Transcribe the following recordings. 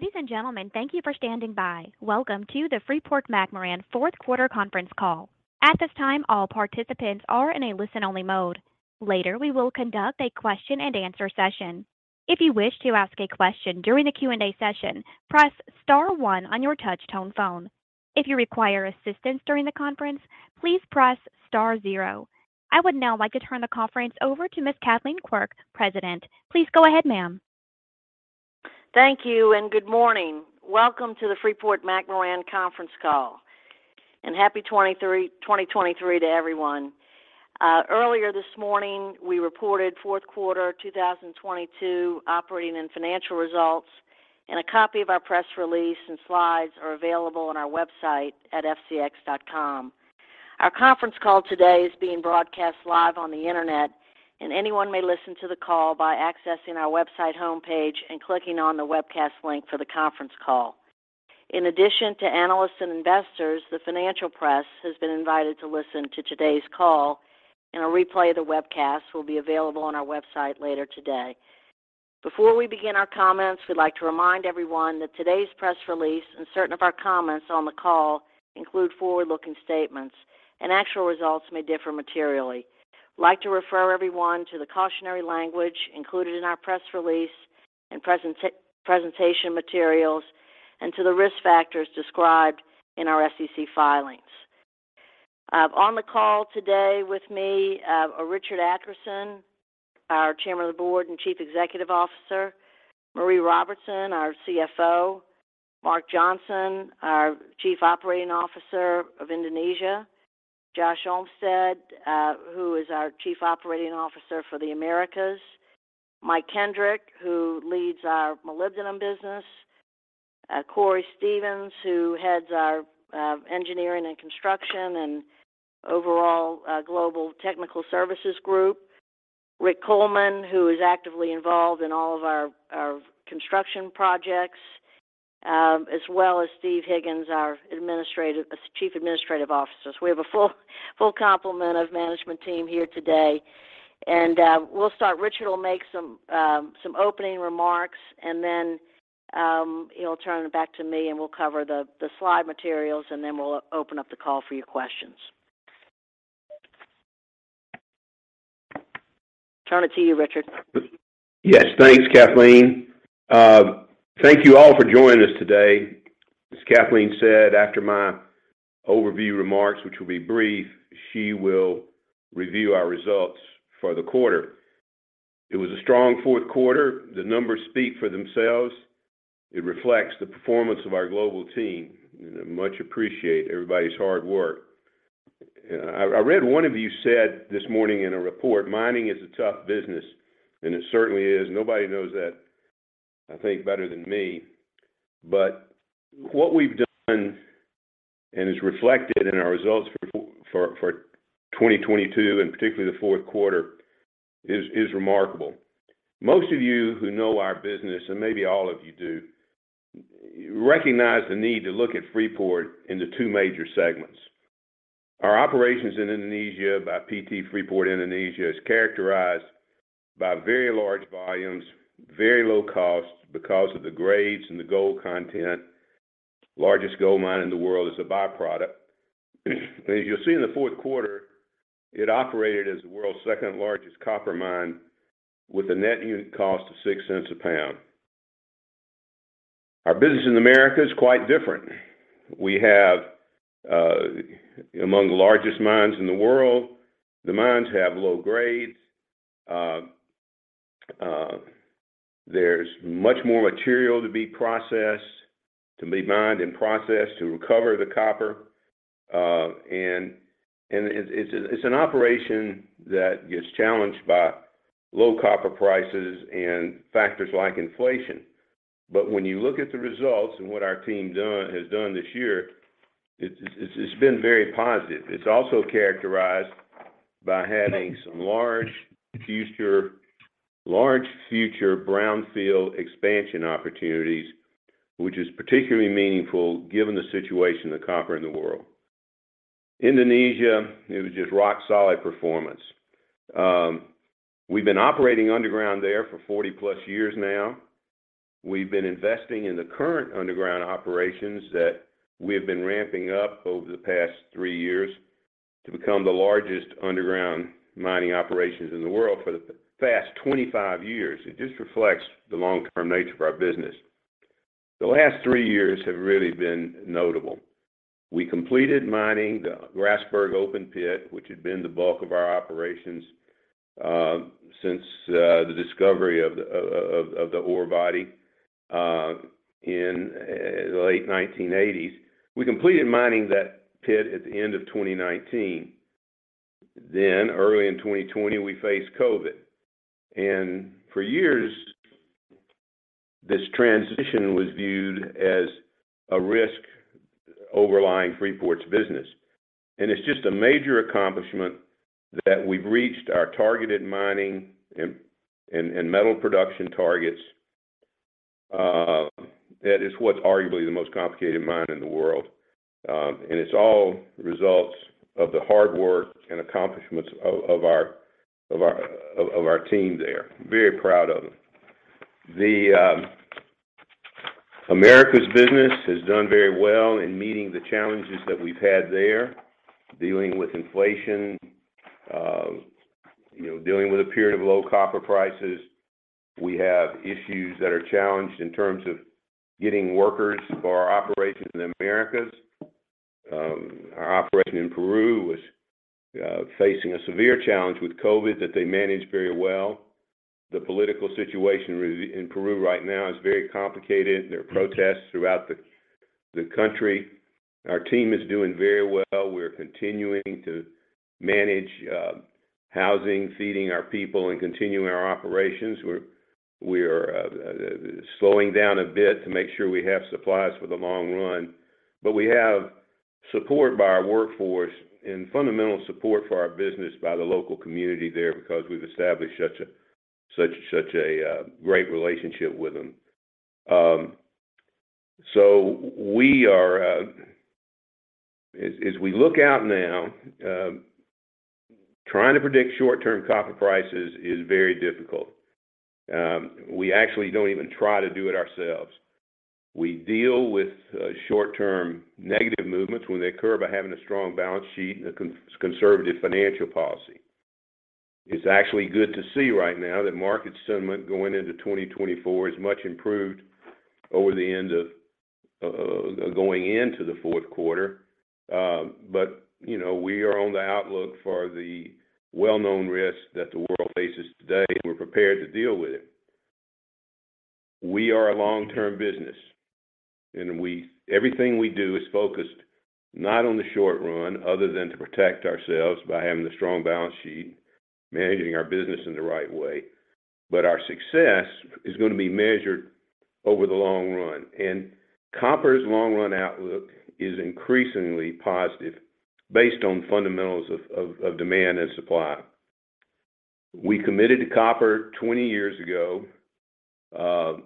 Ladies and gentlemen, thank you for standing by. Welcome to the Freeport-McMoRan Fourth Quarter Conference Call. At this time, all participants are in a listen-only mode. Later, we will conduct a question and answer session. If you wish to ask a question during the Q&A session, press star one on your touchtone phone. If you require assistance during the conference, please press star zero. I would now like to turn the conference over to Ms. Kathleen Quirk, President. Please go ahead, ma'am. Thank you. Good morning. Welcome to the Freeport-McMoRan Conference Call. Happy 2023 to everyone. Earlier this morning we reported fourth quarter 2022 operating and financial results. A copy of our press release and slides are available on our website at fcx.com. Our conference call today is being broadcast live on the Internet. Anyone may listen to the call by accessing our website homepage and clicking on the webcast link for the conference call. In addition to analysts and investors, the financial press has been invited to listen to today's call. A replay of the webcast will be available on our website later today. Before we begin our comments, we'd like to remind everyone that today's press release and certain of our comments on the call include forward-looking statements and actual results may differ materially. We'd like to refer everyone to the cautionary language included in our press release and presentation materials, to the risk factors described in our SEC filings. On the call today with me are Richard Adkerson, our Chairman of the Board and Chief Executive Officer; Maree Robertson, our CFO; Mark Johnson, our Chief Operating Officer of Indonesia; Josh Olmsted, who is our Chief Operating Officer for the Americas; Michael Kendrick, who leads our molybdenum business; Cory Stevens, who heads our engineering and construction and overall Global Technical Services Group; Rick Coleman, who is actively involved in all of our construction projects, as well as Stephen Higgins, as Chief Administrative Officer. We have a full complement of management team here today. We'll start. Richard will make some opening remarks, and then, he'll turn it back to me and we'll cover the slide materials, and then we'll open up the call for your questions. Turn it to you, Richard. Yes. Thanks, Kathleen. Thank you all for joining us today. As Kathleen said, after my overview remarks, which will be brief, she will review our results for the quarter. It was a strong fourth quarter. The numbers speak for themselves. It reflects the performance of our global team. Much appreciate everybody's hard work. I read one of you said this morning in a report, "Mining is a tough business," and it certainly is. Nobody knows that, I think, better than me. What we've done, and is reflected in our results for 2022 and particularly the fourth quarter is remarkable. Most of you who know our business, and maybe all of you do, recognize the need to look at Freeport into two major segments. Our operations in Indonesia by PT Freeport Indonesia is characterized by very large volumes, very low costs because of the grades and the gold content. Largest gold mine in the world is a by-product. As you'll see in the fourth quarter, it operated as the world's second-largest copper mine with a net unit cost of $0.06 a pound. Our business in America is quite different. We have among the largest mines in the world. The mines have low grades. There's much more material to be mined and processed to recover the copper. And it's an operation that gets challenged by low copper prices and factors like inflation. When you look at the results and what our team has done this year, it's been very positive. It's also characterized by having some large future brownfield expansion opportunities, which is particularly meaningful given the situation of copper in the world. Indonesia, it was just rock solid performance. We've been operating underground there for 40+ years now. We've been investing in the current underground operations that we have been ramping up over the past 3 years to become the largest underground mining operations in the world for the past 25 years. It just reflects the long-term nature of our business. The last 3 years have really been notable. We completed mining the Grasberg open pit, which had been the bulk of our operations, since the discovery of the ore body in the late 1980s. We completed mining that pit at the end of 2019. Early in 2020 we faced COVID. For years this transition was viewed as a risk overlying Freeport's business. It's just a major accomplishment that we've reached our targeted mining and metal production targets, that is what's arguably the most complicated mine in the world. It's all results of the hard work and accomplishments of our team there. Very proud of them. Americas business has done very well in meeting the challenges that we've had there, dealing with inflation, you know, dealing with a period of low copper prices. We have issues that are challenged in terms of getting workers for our operations in Americas. Our operation in Peru was facing a severe challenge with COVID that they managed very well. The political situation in Peru right now is very complicated. There are protests throughout the country. Our team is doing very well. We're continuing to manage housing, feeding our people, and continuing our operations. We are slowing down a bit to make sure we have supplies for the long run. We have support by our workforce and fundamental support for our business by the local community there because we've established such a great relationship with them. We are, as we look out now, trying to predict short-term copper prices is very difficult. We actually don't even try to do it ourselves. We deal with short-term negative movements when they occur by having a strong balance sheet and a conservative financial policy. It's actually good to see right now that market sentiment going into 2024 is much improved over the end of going into the fourth quarter. You know, we are on the outlook for the well-known risks that the world faces today, and we're prepared to deal with it. We are a long-term business, and everything we do is focused not on the short run, other than to protect ourselves by having the strong balance sheet, managing our business in the right way, but our success is going to be measured over the long run. Copper's long-run outlook is increasingly positive based on fundamentals of demand and supply. We committed to copper 20 years ago,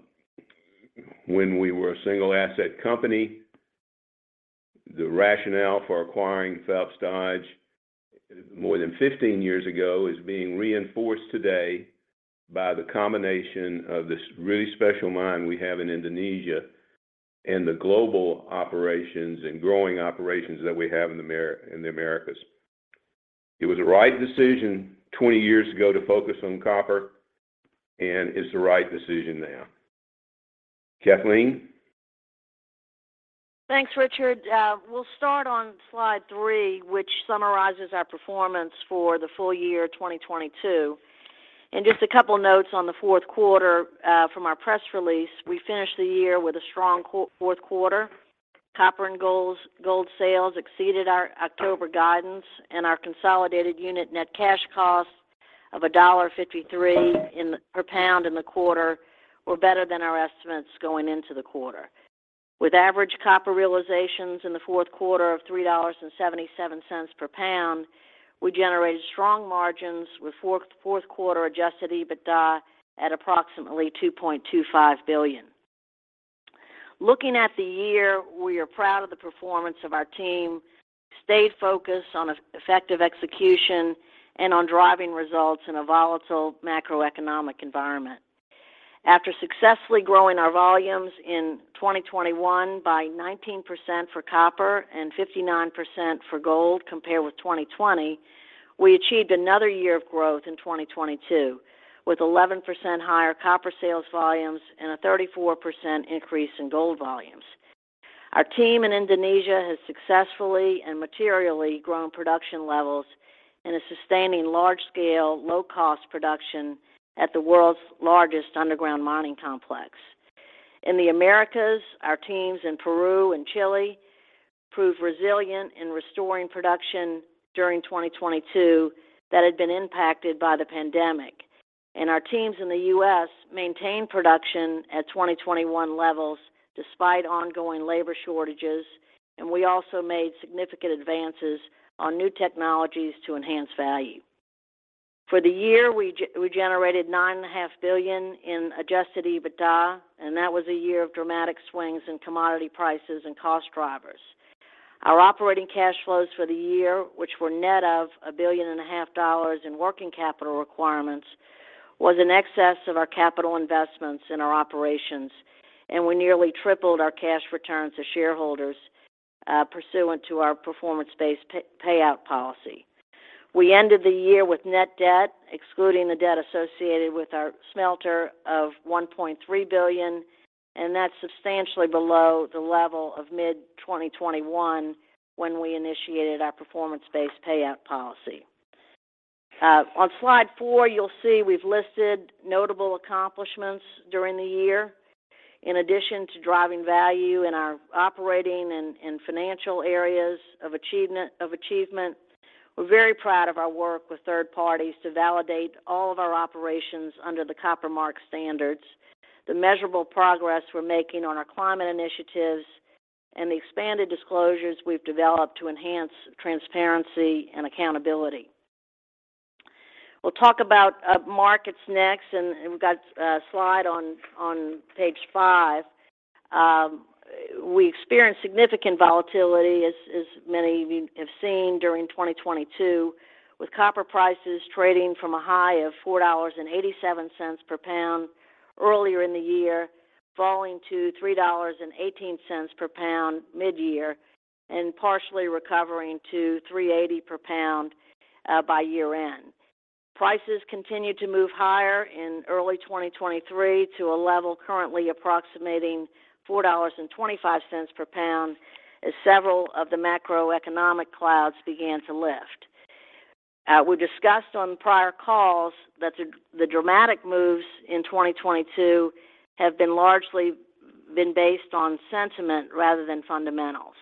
when we were a single-asset company. The rationale for acquiring Phelps Dodge more than 15 years ago is being reinforced today by the combination of this really special mine we have in Indonesia and the global operations and growing operations that we have in the Americas. It was the right decision 20 years ago to focus on copper, and it's the right decision now. Kathleen? Thanks, Richard. We'll start on slide 3, which summarizes our performance for the full year 2022. Just a couple notes on the fourth quarter from our press release. We finished the year with a strong fourth quarter. Copper and gold sales exceeded our October guidance, and our consolidated unit net cash costs of $1.53 per pound in the quarter were better than our estimates going into the quarter. With average copper realizations in the fourth quarter of $3.77 per pound, we generated strong margins with fourth quarter adjusted EBITDA at approximately $2.25 billion. Looking at the year, we are proud of the performance of our team. Stayed focused on effective execution and on driving results in a volatile macroeconomic environment. After successfully growing our volumes in 2021 by 19% for copper and 59% for gold compared with 2020, we achieved another year of growth in 2022, with 11% higher copper sales volumes and a 34% increase in gold volumes. Our team in Indonesia has successfully and materially grown production levels and is sustaining large-scale, low-cost production at the world's largest underground mining complex. In the Americas, our teams in Peru and Chile proved resilient in restoring production during 2022 that had been impacted by the pandemic. Our teams in the U.S. maintained production at 2021 levels despite ongoing labor shortages, and we also made significant advances on new technologies to enhance value. For the year, we generated $9.5 billion in adjusted EBITDA, that was a year of dramatic swings in commodity prices and cost drivers. Our operating cash flows for the year, which were net of $1.5 billion in working capital requirements, was in excess of our capital investments in our operations, we nearly tripled our cash returns to shareholders pursuant to our performance-based payout policy. We ended the year with net debt, excluding the debt associated with our smelter, of $1.3 billion, that's substantially below the level of mid-2021 when we initiated our performance-based payout policy. On slide 4, you'll see we've listed notable accomplishments during the year. In addition to driving value in our operating and financial areas of achievement, we're very proud of our work with third parties to validate all of our operations under The Copper Mark standards, the measurable progress we're making on our climate initiatives, and the expanded disclosures we've developed to enhance transparency and accountability. We'll talk about markets next, and we've got a slide on page 5. We experienced significant volatility as many of you have seen during 2022, with copper prices trading from a high of $4.87 per pound earlier in the year, falling to $3.18 per pound mid-year, and partially recovering to $3.80 per pound by year-end. Prices continued to move higher in early 2023 to a level currently approximating $4.25 per pound as several of the macroeconomic clouds began to lift. We discussed on prior calls that the dramatic moves in 2022 have largely been based on sentiment rather than fundamentals.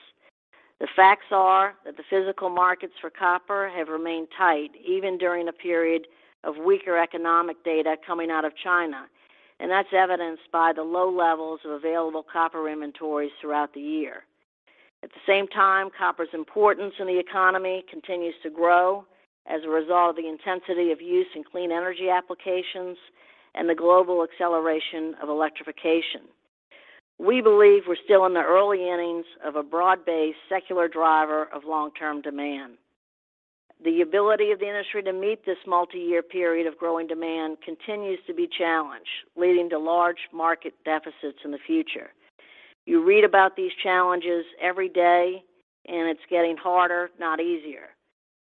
The facts are that the physical markets for copper have remained tight even during the period of weaker economic data coming out of China, and that's evidenced by the low levels of available copper inventories throughout the year. At the same time, copper's importance in the economy continues to grow as a result of the intensity of use in clean energy applications and the global acceleration of electrification. We believe we're still in the early innings of a broad-based secular driver of long-term demand. The ability of the industry to meet this multi-year period of growing demand continues to be challenged, leading to large market deficits in the future. You read about these challenges every day, it's getting harder, not easier.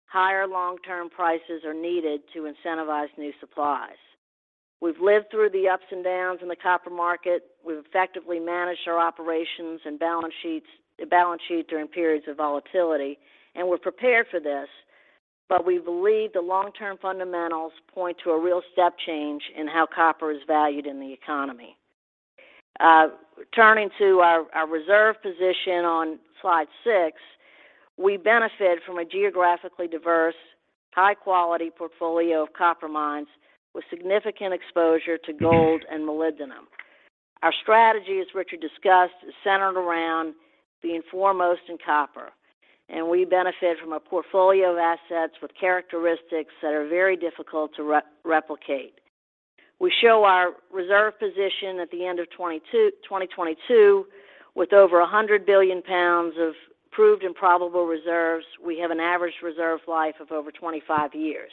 Higher long-term prices are needed to incentivize new supplies. We've lived through the ups and downs in the copper market. We've effectively managed our operations and balance sheets, the balance sheet during periods of volatility, we're prepared for this. We believe the long-term fundamentals point to a real step change in how copper is valued in the economy. Turning to our reserve position on slide 6, we benefit from a geographically diverse, high-quality portfolio of copper mines with significant exposure to gold and molybdenum. Our strategy, as Richard discussed, is centered around being foremost in copper, and we benefit from a portfolio of assets with characteristics that are very difficult to re-replicate. We show our reserve position at the end of 2022 with over 100 billion pounds of proved and probable reserves. We have an average reserve life of over 25 years.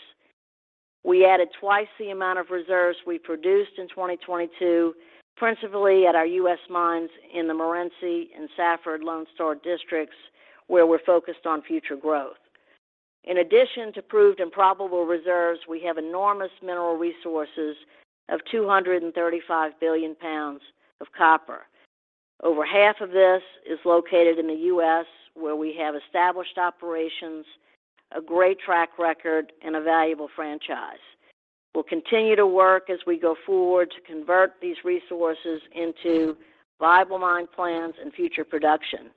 We added twice the amount of reserves we produced in 2022, principally at our U.S. mines in the Morenci and Safford Lone Star districts, where we're focused on future growth. In addition to proved and probable reserves, we have enormous mineral resources of 235 billion pounds of copper. Over half of this is located in the U.S., where we have established operations, a great track record, and a valuable franchise. We'll continue to work as we go forward to convert these resources into viable mine plans and future production.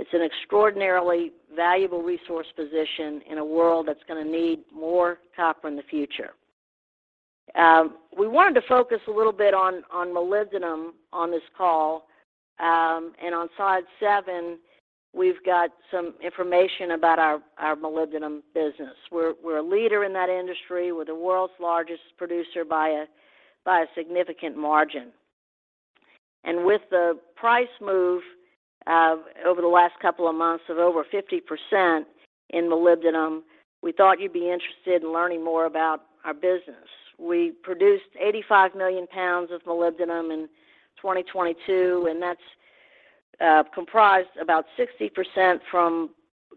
It's an extraordinarily valuable resource position in a world that's gonna need more copper in the future. We wanted to focus a little bit on molybdenum on this call. On slide 7, we've got some information about our molybdenum business. We're a leader in that industry. We're the world's largest producer by a significant margin. With the price move over the last couple of months of over 50% in molybdenum, we thought you'd be interested in learning more about our business. We produced 85 million pounds of molybdenum in 2022, and that's comprised about 60% from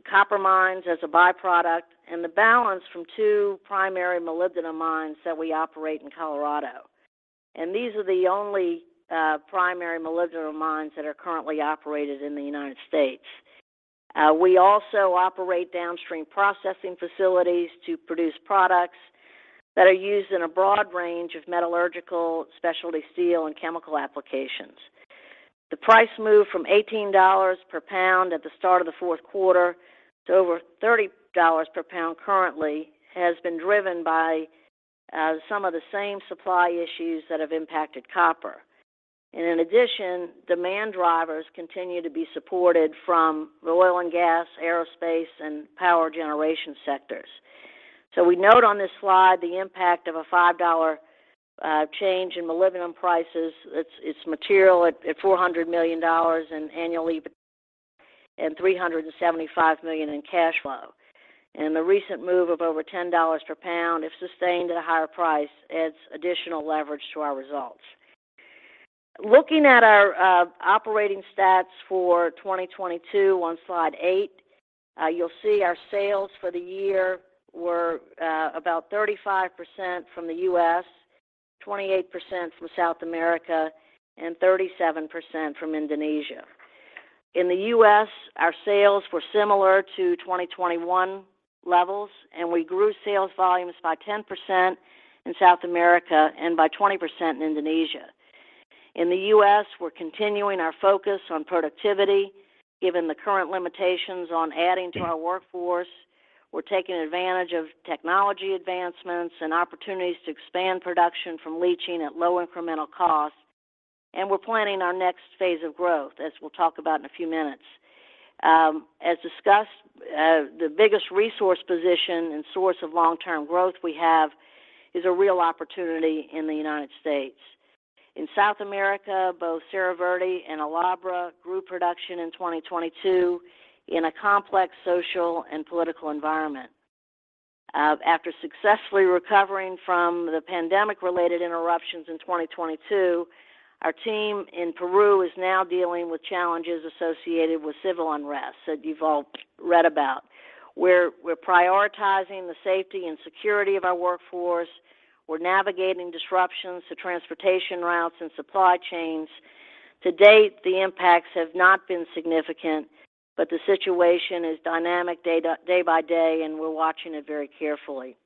copper mines as a by-product, and the balance from two primary molybdenum mines that we operate in Colorado. These are the only primary molybdenum mines that are currently operated in the United States. We also operate downstream processing facilities to produce products that are used in a broad range of metallurgical, specialty steel, and chemical applications. The price move from $18 per pound at the start of the fourth quarter to over $30 per pound currently has been driven by some of the same supply issues that have impacted copper. In addition, demand drivers continue to be supported from the oil and gas, aerospace, and power generation sectors. We note on this slide the impact of a $5 change in molybdenum prices. It's material at $400 million in annual EBITDA and $375 million in cash flow. The recent move of over $10 per pound, if sustained at a higher price, adds additional leverage to our results. Looking at our operating stats for 2022 on slide 8, you'll see our sales for the year were about 35% from the U.S., 28% from South America, and 37% from Indonesia. In the U.S., our sales were similar to 2021 levels, and we grew sales volumes by 10% in South America and by 20% in Indonesia. In the U.S., we're continuing our focus on productivity, given the current limitations on adding to our workforce. We're taking advantage of technology advancements and opportunities to expand production from leaching at low incremental cost, and we're planning our next phase of growth, as we'll talk about in a few minutes. As discussed, the biggest resource position and source of long-term growth we have is a real opportunity in the United States. In South America, both Cerro Verde and El Abra grew production in 2022 in a complex social and political environment. After successfully recovering from the pandemic-related interruptions in 2022, our team in Peru is now dealing with challenges associated with civil unrest that you've all read about. We're prioritizing the safety and security of our workforce. We're navigating disruptions to transportation routes and supply chains. To date, the impacts have not been significant, but the situation is dynamic day by day, and we're watching it very carefully.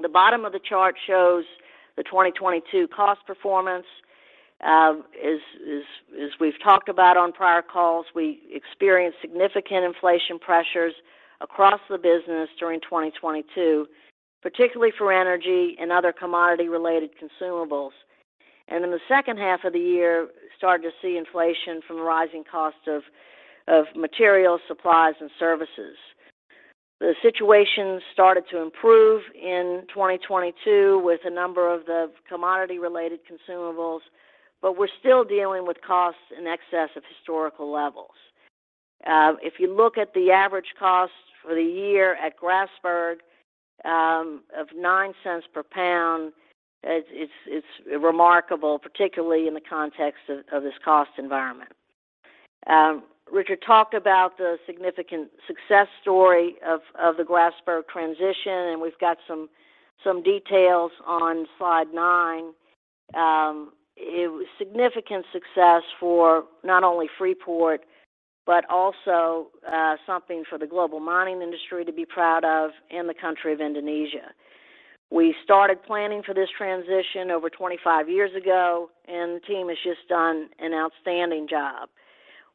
The bottom of the chart shows the 2022 cost performance. As we've talked about on prior calls, we experienced significant inflation pressures across the business during 2022, particularly for energy and other commodity-related consumables. In the second half of the year, started to see inflation from rising costs of materials, supplies, and services. The situation started to improve in 2022 with a number of the commodity-related consumables, but we're still dealing with costs in excess of historical levels. If you look at the average cost for the year at Grasberg, of $0.09 per pound, it's remarkable, particularly in the context of this cost environment. Richard talked about the significant success story of the Grasberg transition, and we've got some details on slide 9. It was significant success for not only Freeport, but also something for the global mining industry to be proud of and the country of Indonesia. We started planning for this transition over 25 years ago, and the team has just done an outstanding job.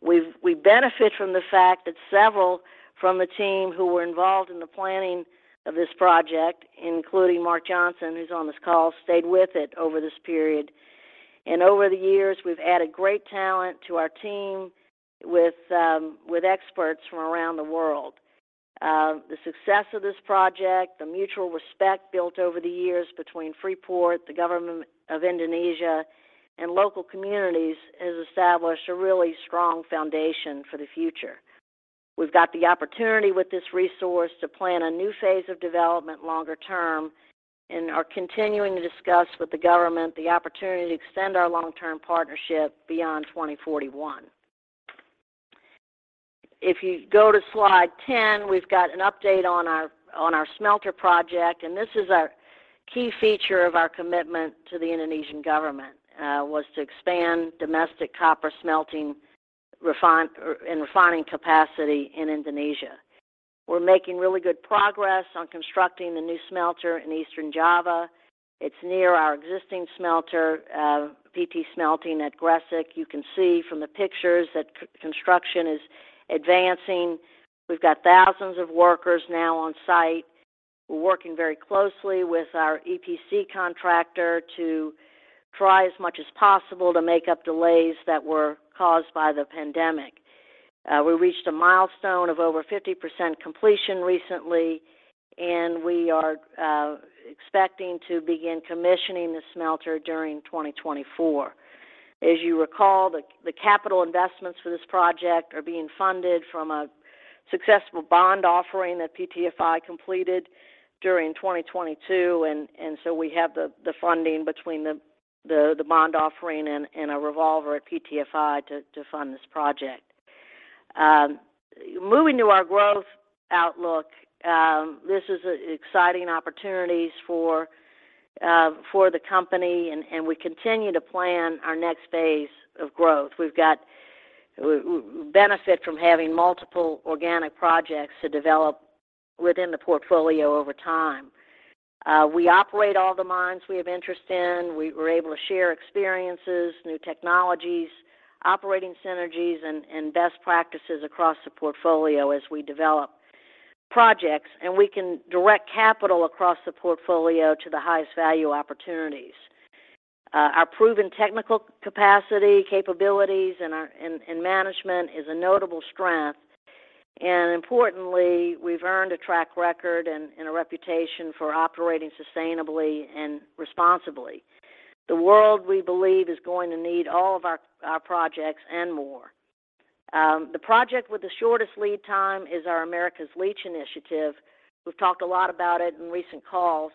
We benefit from the fact that several from the team who were involved in the planning of this project, including Mark Johnson, who's on this call, stayed with it over this period. Over the years, we've added great talent to our team with experts from around the world. The success of this project, the mutual respect built over the years between Freeport, the government of Indonesia, and local communities has established a really strong foundation for the future. We've got the opportunity with this resource to plan a new phase of development longer term and are continuing to discuss with the government the opportunity to extend our long-term partnership beyond 2041. If you go to slide 10, we've got an update on our, on our smelter project, and this is a key feature of our commitment to the Indonesian government, was to expand domestic copper smelting and refining capacity in Indonesia. We're making really good progress on constructing the new smelter in Eastern Java. It's near our existing smelter, PT Smelting at Gresik. You can see from the pictures that construction is advancing. We've got thousands of workers now on site. We're working very closely with our EPC contractor to try as much as possible to make up delays that were caused by the pandemic. We reached a milestone of over 50% completion recently, we are expecting to begin commissioning the smelter during 2024. As you recall, the capital investments for this project are being funded from a successful bond offering that PTFI completed during 2022, we have the funding between the bond offering and a revolver at PTFI to fund this project. Moving to our growth outlook, this is exciting opportunities for the company, we continue to plan our next phase of growth. We benefit from having multiple organic projects to develop within the portfolio over time. We operate all the mines we have interest in. We're able to share experiences, new technologies, operating synergies, and best practices across the portfolio as we develop projects, we can direct capital across the portfolio to the highest value opportunities. Our proven technical capacity, capabilities and our management is a notable strength. Importantly, we've earned a track record and a reputation for operating sustainably and responsibly. The world, we believe, is going to need all of our projects and more. The project with the shortest lead time is our Americas Leach initiative. We've talked a lot about it in recent calls.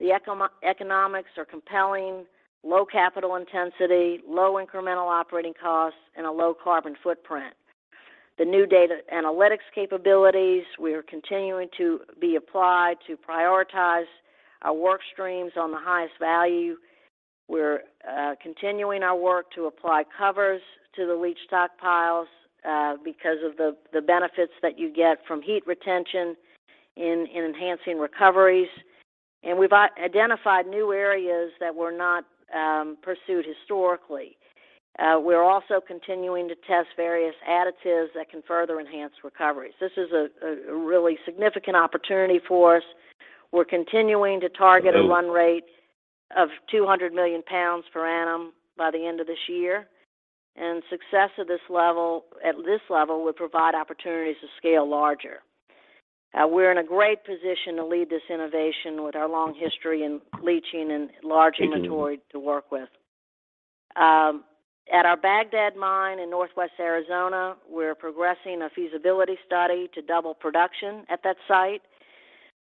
The economics are compelling, low capital intensity, low incremental operating costs, and a low carbon footprint. The new data analytics capabilities we are continuing to be applied to prioritize our work streams on the highest value. We're continuing our work to apply covers to the leach stockpiles because of the benefits that you get from heat retention in enhancing recoveries. We've identified new areas that were not pursued historically. We're also continuing to test various additives that can further enhance recoveries. This is a really significant opportunity for us. We're continuing to target a run rate of 200 million pounds per annum by the end of this year, and success at this level would provide opportunities to scale larger. We're in a great position to lead this innovation with our long history in leaching and large inventory to work with. At our Bagdad Mine in northwest Arizona, we're progressing a feasibility study to double production at that site.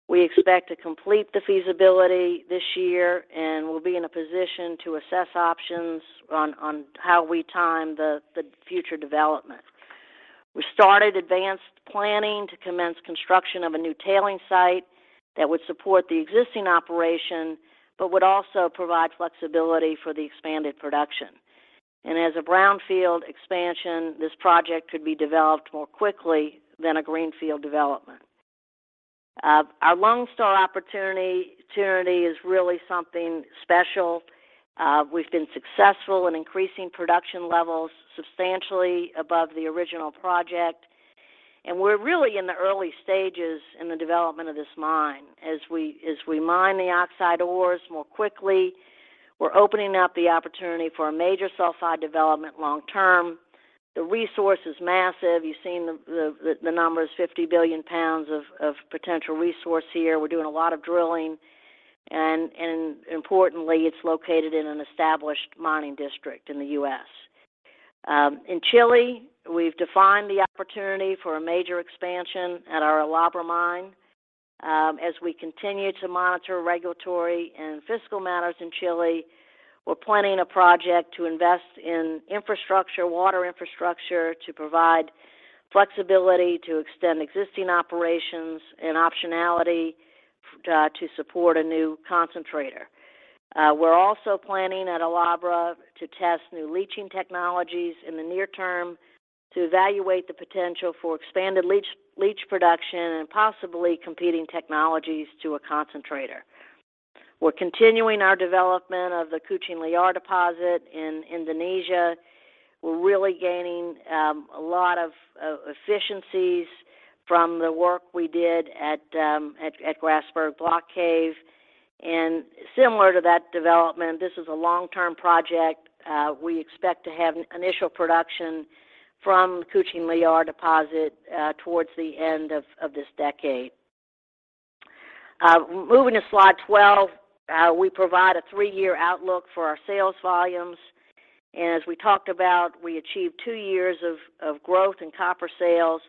We expect to complete the feasibility this year. We'll be in a position to assess options on how we time the future development. We started advanced planning to commence construction of a new tailings site that would support the existing operation but would also provide flexibility for the expanded production. As a brownfield expansion, this project could be developed more quickly than a greenfield development. Our Lone Star opportunity is really something special. We've been successful in increasing production levels substantially above the original project, and we're really in the early stages in the development of this mine. As we mine the oxide ores more quickly, we're opening up the opportunity for a major sulfide development long term. The resource is massive. You've seen the number is 50 billion pounds of potential resource here. We're doing a lot of drilling, and importantly, it's located in an established mining district in the U.S. In Chile, we've defined the opportunity for a major expansion at our El Abra mine. As we continue to monitor regulatory and fiscal matters in Chile, we're planning a project to invest in infrastructure, water infrastructure, to provide flexibility to extend existing operations and optionality to support a new concentrator. We're also planning at El Abra to test new leaching technologies in the near term to evaluate the potential for expanded leach production and possibly competing technologies to a concentrator. We're continuing our development of the Kucing Liar deposit in Indonesia. We're really gaining a lot of efficiencies from the work we did at Grasberg Block Cave. Similar to that development, this is a long-term project. We expect to have initial production from Kucing Liar deposit towards the end of this decade. Moving to slide 12, we provide a 3-year outlook for our sales volumes. As we talked about, we achieved 2 years of growth in copper sales,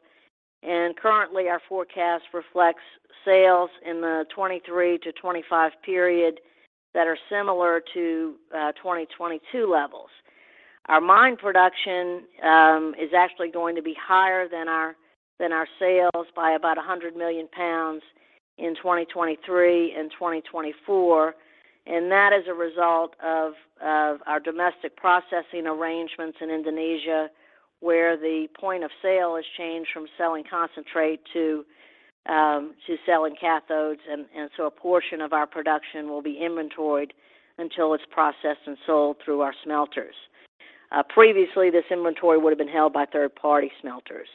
and currently our forecast reflects sales in the 2023 to 2025 period that are similar to 2022 levels. Our mine production is actually going to be higher than our sales by about 100 million pounds in 2023 and 2024, and that is a result of our domestic processing arrangements in Indonesia, where the point of sale has changed from selling concentrate to selling cathodes. A portion of our production will be inventoried until it's processed and sold through our smelters. Previously, this inventory would have been held by third-party smelters.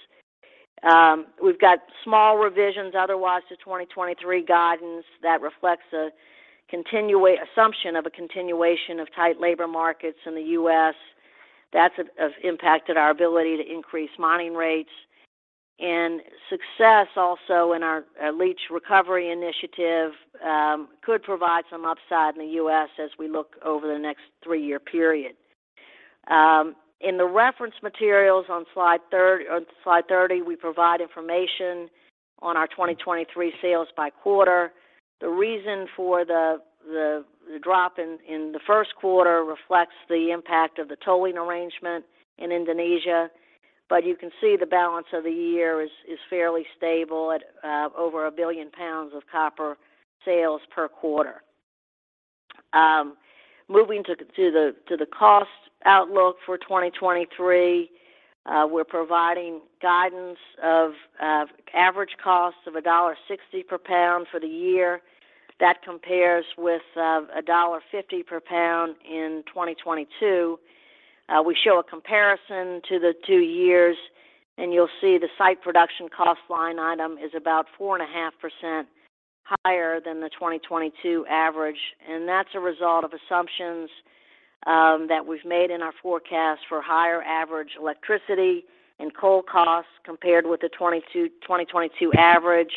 We've got small revisions otherwise to 2023 guidance that reflects a assumption of a continuation of tight labor markets in the U.S. That's impacted our ability to increase mining rates. Success also in our leach recovery initiative could provide some upside in the U.S. as we look over the next 3-year period. In the reference materials on slide 30, we provide information on our 2023 sales by quarter. The reason for the drop in the first quarter reflects the impact of the tolling arrangement in Indonesia. You can see the balance of the year is fairly stable at over 1 billion pounds of copper sales per quarter. Moving to the cost outlook for 2023, we're providing guidance of average costs of $1.60 per pound for the year. That compares with $1.50 per pound in 2022. We show a comparison to the two years, and you'll see the site production cost line item is about 4.5% higher than the 2022 average. That's a result of assumptions that we've made in our forecast for higher average electricity and coal costs compared with the 2022 average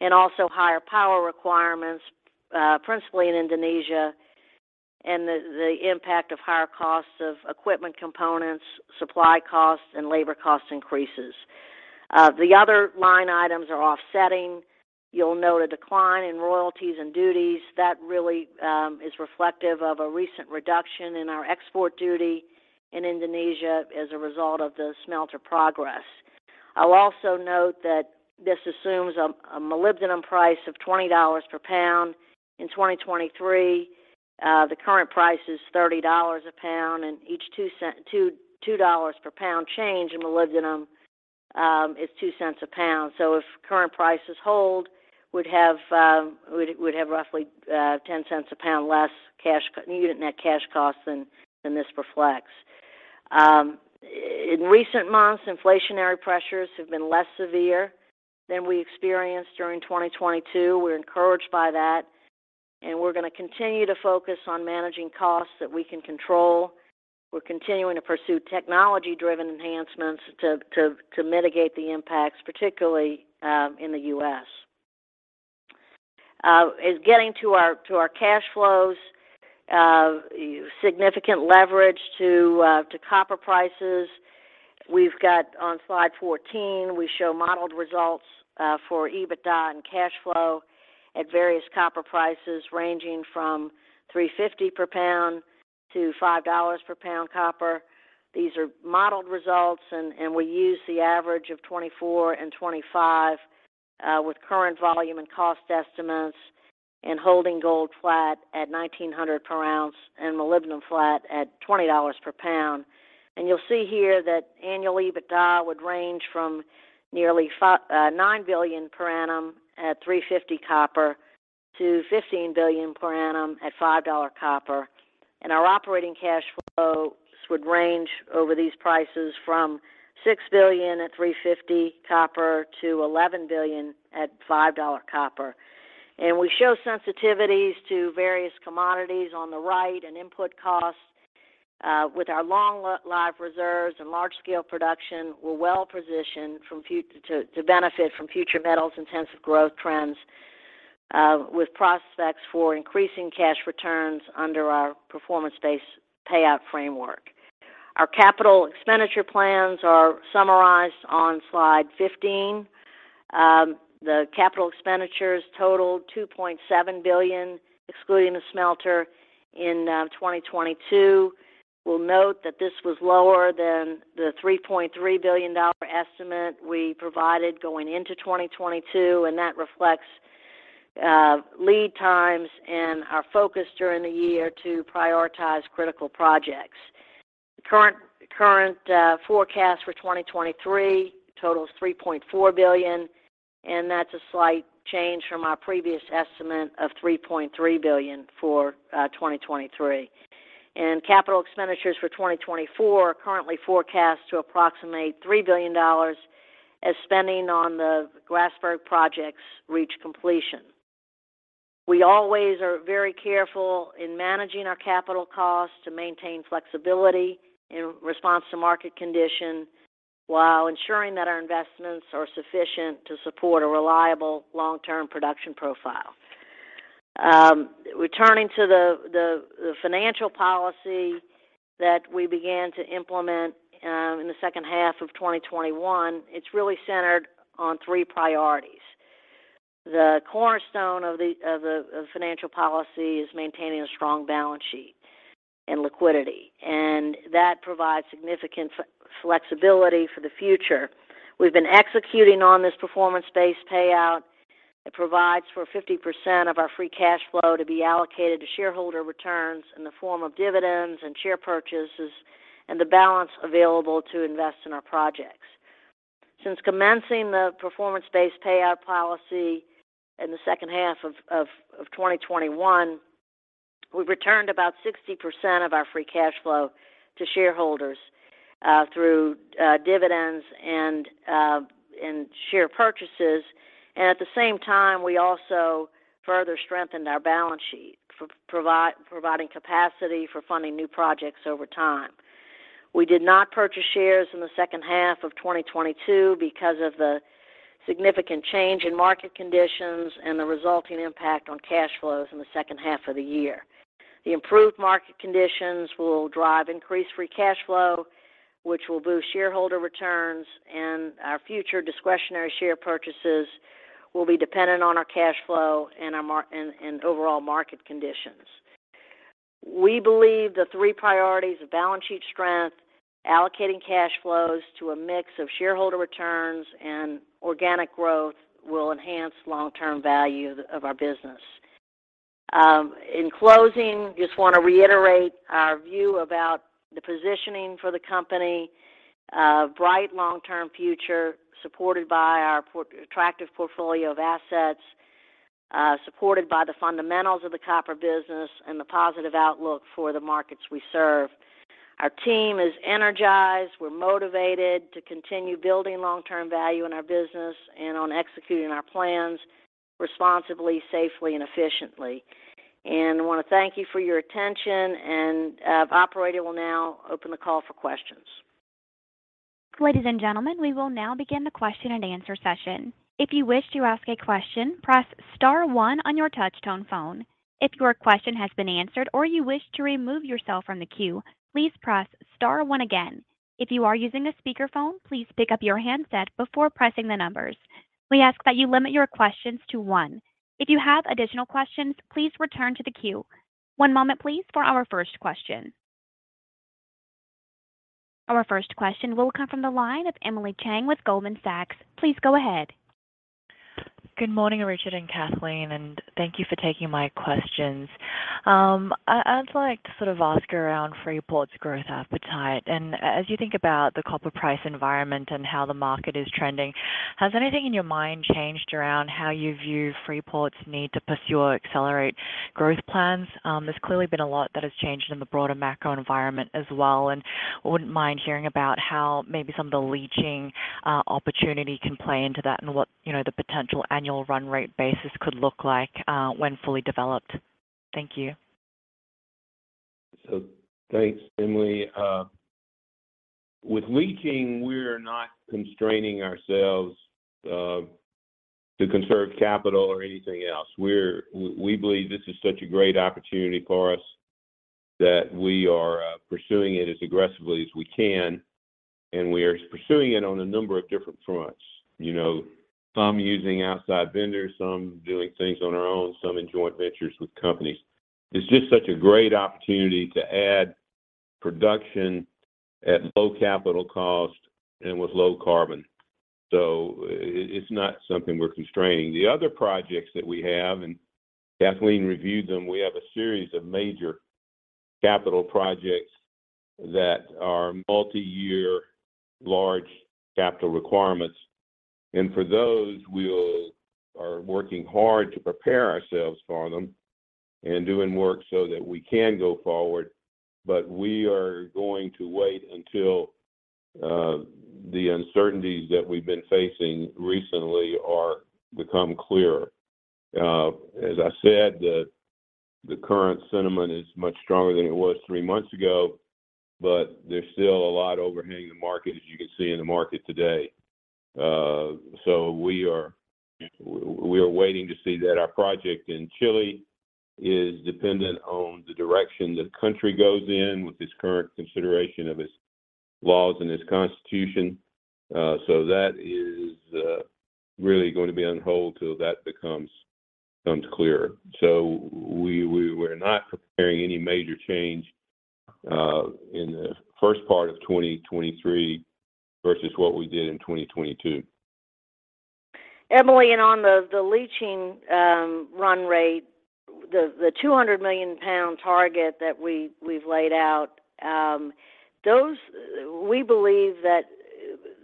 and also higher power requirements, principally in Indonesia and the impact of higher costs of equipment components, supply costs, and labor cost increases. The other line items are offsetting. You'll note a decline in royalties and duties. That really is reflective of a recent reduction in our export duty in Indonesia as a result of the smelter progress. I'll also note that this assumes a molybdenum price of $20 per pound in 2023. The current price is $30 a pound, and each $2 per pound change in molybdenum is $0.02 a pound. If current prices hold, we'd have roughly $0.10 a pound less cash unit net cash cost than this reflects. In recent months, inflationary pressures have been less severe than we experienced during 2022. We're encouraged by that, and we're gonna continue to focus on managing costs that we can control. We're continuing to pursue technology-driven enhancements to mitigate the impacts, particularly in the U.S. As getting to our cash flows, significant leverage to copper prices. We've got on slide 14, we show modeled results for EBITDA and cash flow at various copper prices ranging from $3.50 per pound to $5.00 per pound copper. These are modeled results and we use the average of 2024 and 2025 with current volume and cost estimates and holding gold flat at $1,900 per ounce and molybdenum flat at $20 per pound. You'll see here that annual EBITDA would range from nearly $9 billion per annum at $3.50 copper to $15 billion per annum at $5.00 copper. Our operating cash flows would range over these prices from $6 billion at $3.50 copper to $11 billion at $5.00 copper. We show sensitivities to various commodities on the right and input costs. With our long life reserves and large scale production, we're well-positioned to benefit from future metals intensive growth trends, with prospects for increasing cash returns under our performance-based payout framework. Our capital expenditure plans are summarized on slide 15. The capital expenditures totaled $2.7 billion, excluding the smelter in 2022. We'll note that this was lower than the $3.3 billion estimate we provided going into 2022, that reflects lead times and our focus during the year to prioritize critical projects. Current forecast for 2023 totals $3.4 billion, that's a slight change from our previous estimate of $3.3 billion for 2023. Capital expenditures for 2024 are currently forecast to approximate $3 billion as spending on the Grasberg projects reach completion. We always are very careful in managing our capital costs to maintain flexibility in response to market condition while ensuring that our investments are sufficient to support a reliable long-term production profile. Returning to the financial policy that we began to implement in the second half of 2021, it's really centered on 3 priorities. The cornerstone of the financial policy is maintaining a strong balance sheet and liquidity, and that provides significant flexibility for the future. We've been executing on this performance-based payout. It provides for 50% of our free cash flow to be allocated to shareholder returns in the form of dividends and share purchases and the balance available to invest in our projects. Since commencing the performance-based payout policy in the second half of 2021, we've returned about 60% of our free cash flow to shareholders, through dividends and share purchases. At the same time, we also further strengthened our balance sheet for providing capacity for funding new projects over time. We did not purchase shares in the second half of 2022 because of the significant change in market conditions and the resulting impact on cash flows in the second half of the year. The improved market conditions will drive increased free cash flow, which will boost shareholder returns. Our future discretionary share purchases will be dependent on our cash flow and overall market conditions. We believe the three priorities of balance sheet strength, allocating cash flows to a mix of shareholder returns, and organic growth will enhance long-term value of our business. In closing, just wanna reiterate our view about the positioning for the company, a bright long-term future supported by our attractive portfolio of assets, supported by the fundamentals of the copper business and the positive outlook for the markets we serve. Our team is energized. We're motivated to continue building long-term value in our business and on executing our plans responsibly, safely and efficiently. I want to thank you for your attention, operator will now open the call for questions. Ladies and gentlemen, we will now begin the question and answer session. If you wish to ask a question, press star one on your touch tone phone. If your question has been answered or you wish to remove yourself from the queue, please press star one again. If you are using a speakerphone, please pick up your handset before pressing the numbers. We ask that you limit your questions to one. If you have additional questions, please return to the queue. One moment please for our first question. Our first question will come from the line of Emily Chieng with Goldman Sachs. Please go ahead. Good morning, Richard and Kathleen. Thank you for taking my questions. I'd like to sort of ask around Freeport's growth appetite. As you think about the copper price environment and how the market is trending, has anything in your mind changed around how you view Freeport's need to pursue or accelerate growth plans? There's clearly been a lot that has changed in the broader macro environment as well, and wouldn't mind hearing about how maybe some of the leaching opportunity can play into that and what, you know, the potential annual run rate basis could look like when fully developed. Thank you. Thanks, Emily. With leaching, we're not constraining ourselves to conserve capital or anything else. We believe this is such a great opportunity for us that we are pursuing it as aggressively as we can, and we are pursuing it on a number of different fronts. You know, some using outside vendors, some doing things on our own, some in joint ventures with companies. It's just such a great opportunity to add production at low capital cost and with low carbon. It's not something we're constraining. The other projects that we have, and Kathleen reviewed them, we have a series of major capital projects that are multiyear large capital requirements. For those, we are working hard to prepare ourselves for them and doing work so that we can go forward. We are going to wait until the uncertainties that we've been facing recently are become clearer. As I said, the current sentiment is much stronger than it was 3 months ago, but there's still a lot overhanging the market, as you can see in the market today. We are waiting to see that. Our project in Chile is dependent on the direction the country goes in with its current consideration of its laws and its constitution. That is really going to be on hold till that becomes clearer. We're not preparing any major change in the first part of 2023 versus what we did in 2022. Emily, on the leaching run rate, the 200 million pound target that we've laid out, we believe that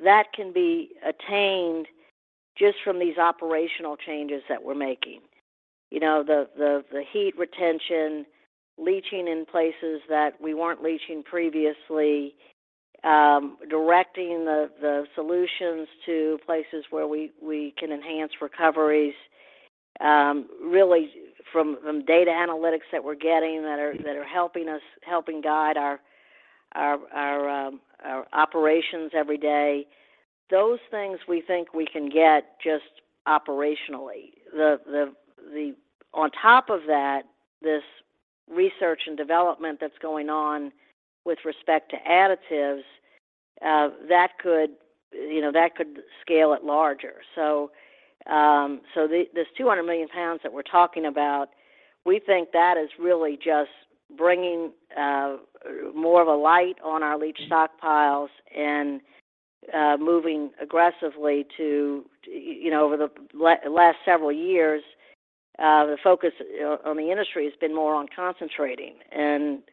that can be attained just from these operational changes that we're making. You know, the heat retention, leaching in places that we weren't leaching previously, directing the solutions to places where we can enhance recoveries. Really from data analytics that we're getting that are helping us guide our operations every day. Those things we think we can get just operationally. On top of that, this research and development that's going on with respect to additives, that could, you know, that could scale it larger. This 200 million pounds that we're talking about, we think that is really just bringing more of a light on our leach stockpiles and moving aggressively to, you know, over the last several years, the focus on the industry has been more on concentrating.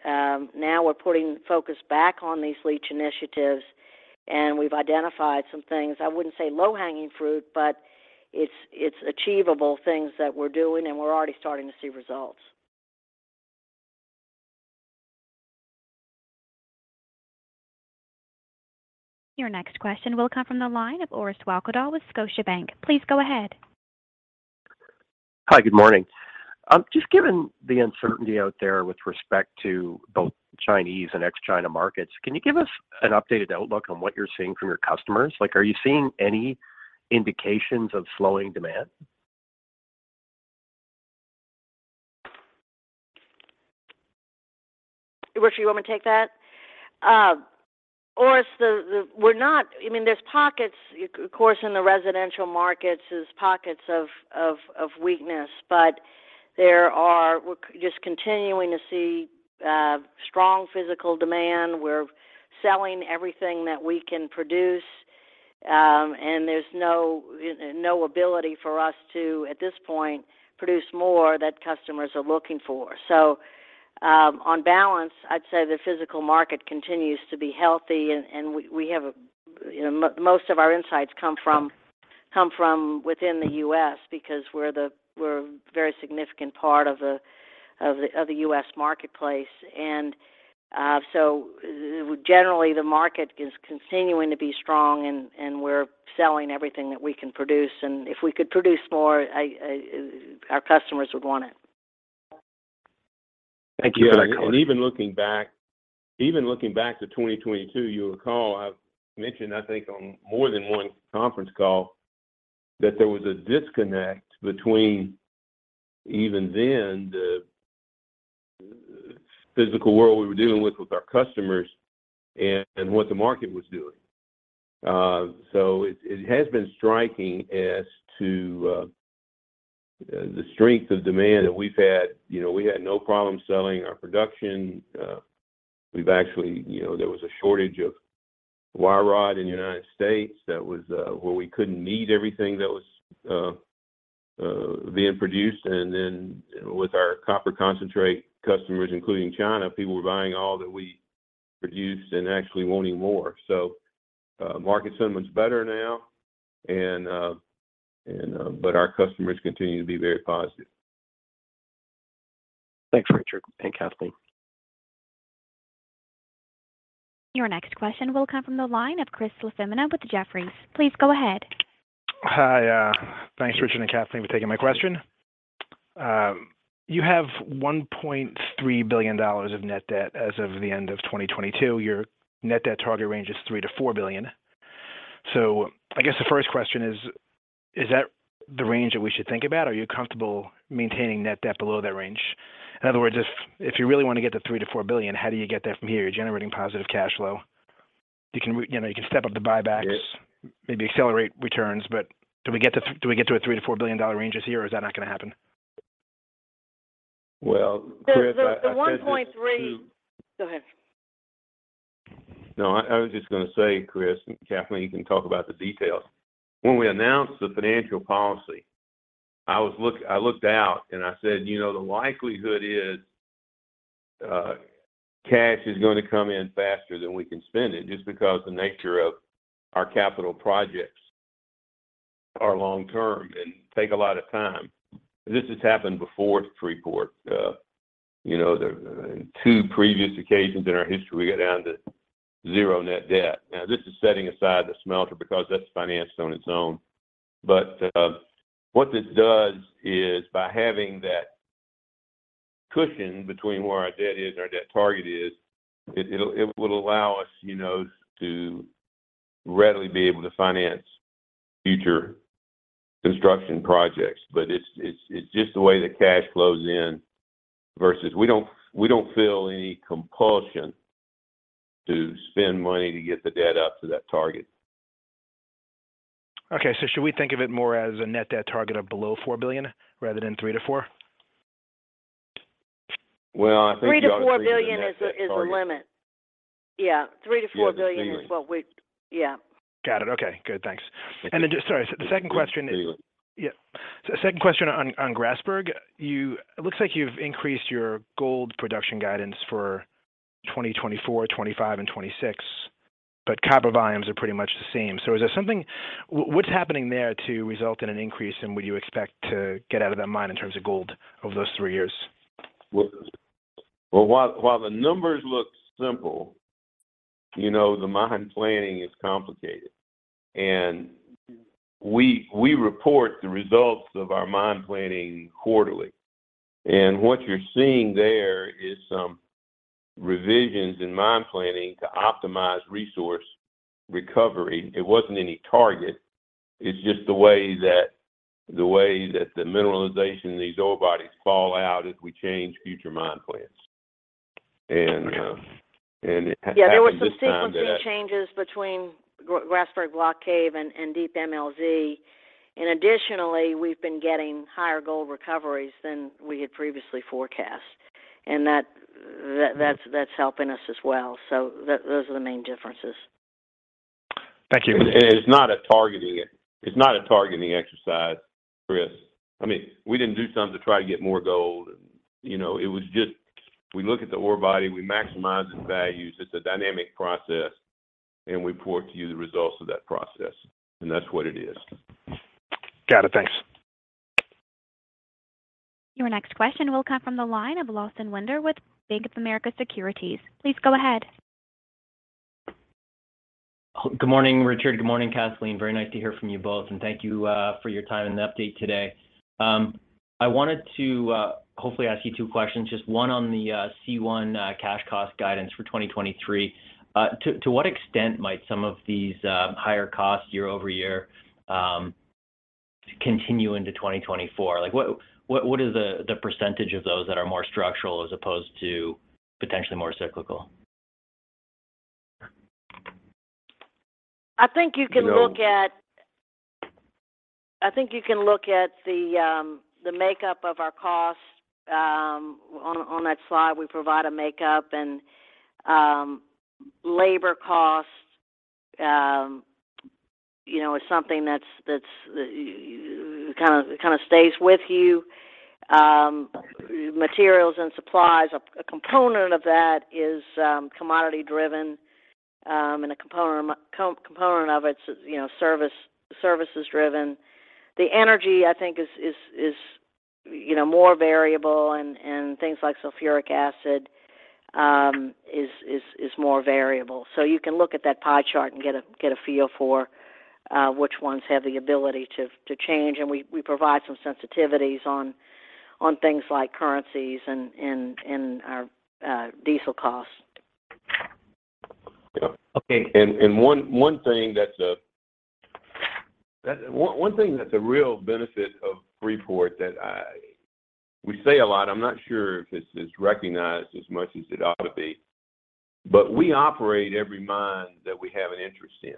Now we're putting focus back on these leach initiatives, and we've identified some things. I wouldn't say low-hanging fruit, but it's achievable things that we're doing, and we're already starting to see results. Your next question will come from the line of Orest Wowkodaw with Scotiabank. Please go ahead. Hi, good morning. Just given the uncertainty out there with respect to both Chinese and ex-China markets, can you give us an updated outlook on what you're seeing from your customers? Like, are you seeing any indications of slowing demand? Richard, you want me to take that? Orest, I mean, there's pockets, of course, in the residential markets. There's pockets of weakness, we're just continuing to see strong physical demand. We're selling everything that we can produce, and there's no ability for us to, at this point, produce more that customers are looking for. On balance, I'd say the physical market continues to be healthy and we have a, you know, most of our insights come from within the U.S. because we're a very significant part of the U.S. marketplace. Generally, the market is continuing to be strong and we're selling everything that we can produce. If we could produce more, our customers would want it. Thank you. Even looking back, even looking back to 2022, you'll recall I've mentioned, I think on more than one conference call that there was a disconnect between even then the physical world we were dealing with with our customers and what the market was doing. It has been striking as to the strength of demand that we've had. You know, we had no problem selling our production. We've actually, you know, there was a shortage of wire rod in the United States that was where we couldn't meet everything that was being produced. With our copper concentrate customers, including China, people were buying all that we produced and actually wanting more. Market sentiment's better now and but our customers continue to be very positive. Thanks, Richard and Kathleen. Your next question will come from the line of Chris LaFemina with Jefferies. Please go ahead. Hi. Thanks, Richard and Kathleen, for taking my question. You have $1.3 billion of net debt as of the end of 2022. Your net debt target range is $3 billion-$4 billion. I guess the first question is that the range that we should think about? Are you comfortable maintaining net debt below that range? In other words, if you really want to get to $3 billion-$4 billion, how do you get that from here? You're generating positive cash flow. You know, you can step up the buybacks... Yes... maybe accelerate returns. Do we get to a $3 billion-$4 billion range this year, or is that not going to happen? Well, Chris, I said this to-. The 1.3. Go ahead. No, I was just gonna say, Chris, and Kathleen, you can talk about the details. When we announced the financial policy, I looked out and I said, "You know, the likelihood is, cash is gonna come in faster than we can spend it," just because the nature of our capital projects are long term and take a lot of time. This has happened before at Freeport. You know, the two previous occasions in our history we got down to 0 net debt. Now, this is setting aside the smelter because that's financed on its own. What this does is by having that cushion between where our debt is and our debt target is, it will allow us, you know, to readily be able to finance future construction projects. It's just the way the cash flows in versus we don't feel any compulsion to spend money to get the debt up to that target. Okay. Should we think of it more as a net debt target of below $4 billion rather than $3 billion-$4 billion? Well, I think. $3 billion-$4 billion is the limit. Yeah. $3 billion-$4 billion- Yeah, that's the ceiling. is what we... Yeah. Got it. Okay. Good. Thanks. then just... Sorry. The second question-. It's the ceiling. Yeah. Second question on Grasberg. It looks like you've increased your gold production guidance for 2024, 2025 and 2026, but copper volumes are pretty much the same. Is there something, what's happening there to result in an increase, and would you expect to get out of that mine in terms of gold over those three years? Well, while the numbers look simple, you know, the mine planning is complicated. We report the results of our mine planning quarterly. What you're seeing there is some revisions in mine planning to optimize resource recovery. It wasn't any target. It's just the way that the mineralization in these ore bodies fall out as we change future mine plans. It happened this time that. Yeah, there were some sequencing changes between Grasberg Block Cave and Deep MLZ. Additionally, we've been getting higher gold recoveries than we had previously forecast, and that's helping us as well. Those are the main differences. Thank you. It's not a targeting exercise, Chris. I mean, we didn't do something to try to get more gold and, you know. It was just, we look at the ore body, we maximize its values. It's a dynamic process, and we report to you the results of that process, and that's what it is. Got it. Thanks. Your next question will come from the line of Lawson Winder with Bank of America Securities. Please go ahead. Good morning, Richard. Good morning, Kathleen. Very nice to hear from you both, thank you for your time and the update today. I wanted to hopefully ask you two questions, just one on the C1 cash cost guidance for 2023. To what extent might some of these higher costs year-over-year continue into 2024? Like, what is the percentage of those that are more structural as opposed to potentially more cyclical? I think you can. You know. I think you can look at the makeup of our costs. On that slide we provide a makeup and labor costs, you know, is something that's kind of stays with you. Materials and supplies, a component of that is commodity driven, and a component of it's, you know, services driven. The energy I think is, you know, more variable and things like sulfuric acid is more variable. You can look at that pie chart and get a feel for which ones have the ability to change. We provide some sensitivities on things like currencies and our diesel costs. Yeah. Okay. One thing that's a real benefit of Freeport that we say a lot, I'm not sure if it's as recognized as much as it ought to be, but we operate every mine that we have an interest in.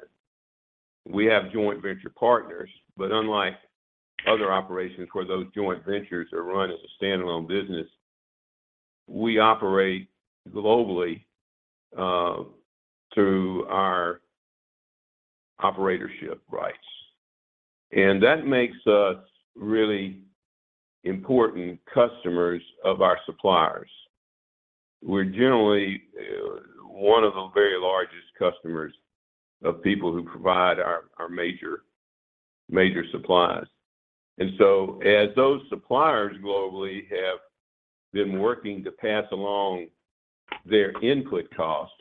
We have joint venture partners, but unlike other operations where those joint ventures are run as a standalone business. We operate globally through our operatorship rights. That makes us really important customers of our suppliers. We're generally one of the very largest customers of people who provide our major supplies. As those suppliers globally have been working to pass along their input costs,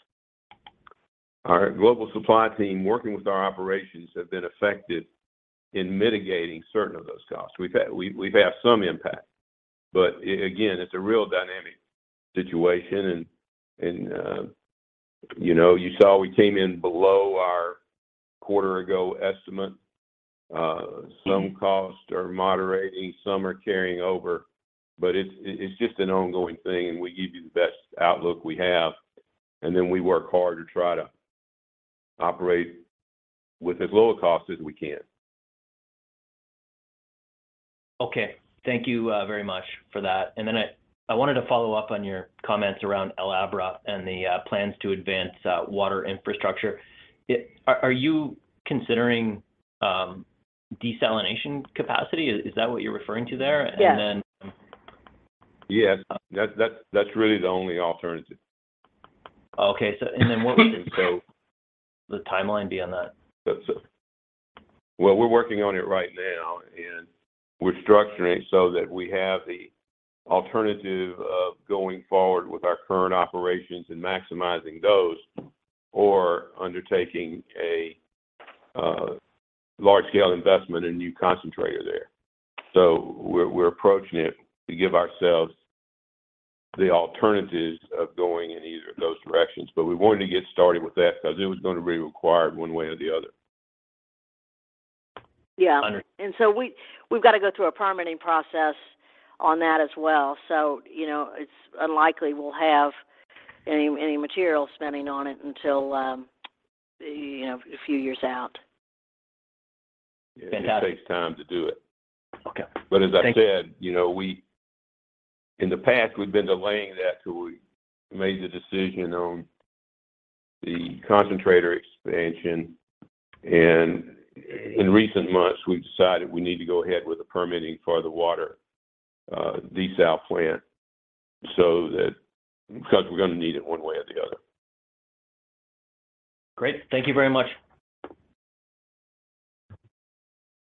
our global supply team working with our operations have been effective in mitigating certain of those costs. We've had some impact. Again, it's a real dynamic situation and, you know, you saw we came in below our quarter ago estimate. Some costs are moderating, some are carrying over, but it's just an ongoing thing, and we give you the best outlook we have, and then we work hard to try to operate with as low a cost as we can. Okay. Thank you, very much for that. I wanted to follow up on your comments around El Abra and the plans to advance water infrastructure. Are you considering desalination capacity? Is that what you're referring to there? Yes. And then- Yes. That's really the only alternative. Okay. What would, sort of, the timeline be on that? Well, we're working on it right now, and we're structuring it so that we have the alternative of going forward with our current operations and maximizing those or undertaking a large scale investment in new concentrator there. We're approaching it to give ourselves the alternatives of going in either of those directions. We wanted to get started with that because it was gonna be required one way or the other. Yeah. Understood. We've got to go through a permitting process on that as well. You know, it's unlikely we'll have any material spending on it until, you know, a few years out. Fantastic. It takes time to do it. Okay. Thank you. As I said, you know, in the past we've been delaying that till we made the decision on the concentrator expansion. In recent months, we've decided we need to go ahead with the permitting for the water, desal plant, because we're gonna need it one way or the other. Great. Thank you very much.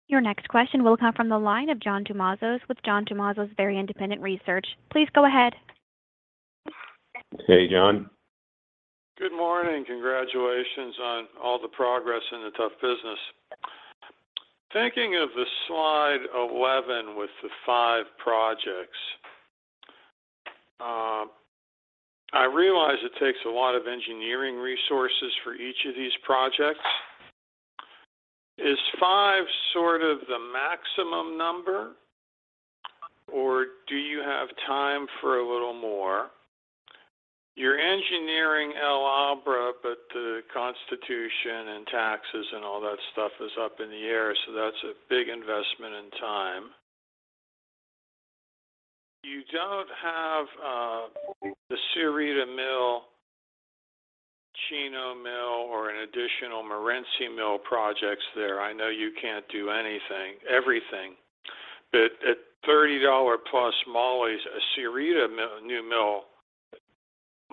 Your next question will come from the line of John Tumazos with John Tumazos's Very Independent Research. Please go ahead. Hey, John. Good morning. Congratulations on all the progress in the tough business. Thinking of the slide 11 with the 5 projects, I realize it takes a lot of engineering resources for each of these projects. Is 5 sort of the maximum number, or do you have time for a little more? You're engineering El Abra, the constitution and taxes and all that stuff is up in the air, so that's a big investment and time. You don't have the Sierrita mill, Chino mill or an additional Morenci mill projects there. I know you can't do anything, everything. At $30+ Moly, a Sierrita new mill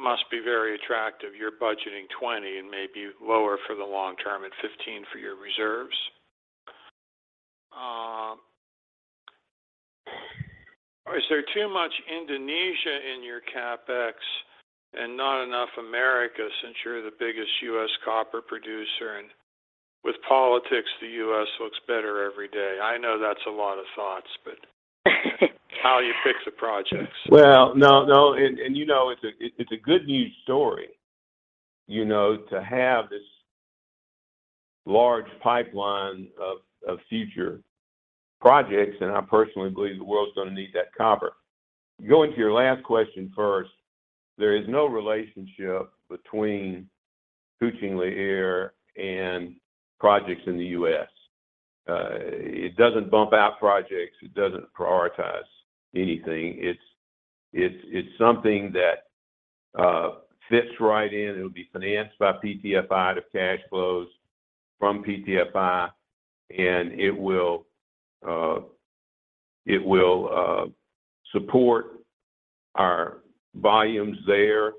must be very attractive. You're budgeting $20 and maybe lower for the long term, and $15 for your reserves. Is there too much Indonesia in your CapEx and not enough America, since you're the biggest U.S. copper producer? With politics, the U.S. looks better every day. I know that's a lot of thoughts, but how you pick the projects. Well, no. you know, it's a good news story, you know, to have this large pipeline of future projects, and I personally believe the world's gonna need that copper. Going to your last question first, there is no relationship between Kucing Liar and projects in the U.S. It doesn't bump out projects. It doesn't prioritize anything. It's something that fits right in. It would be financed by PTFI out of cash flows from PTFI, and it will support our volumes there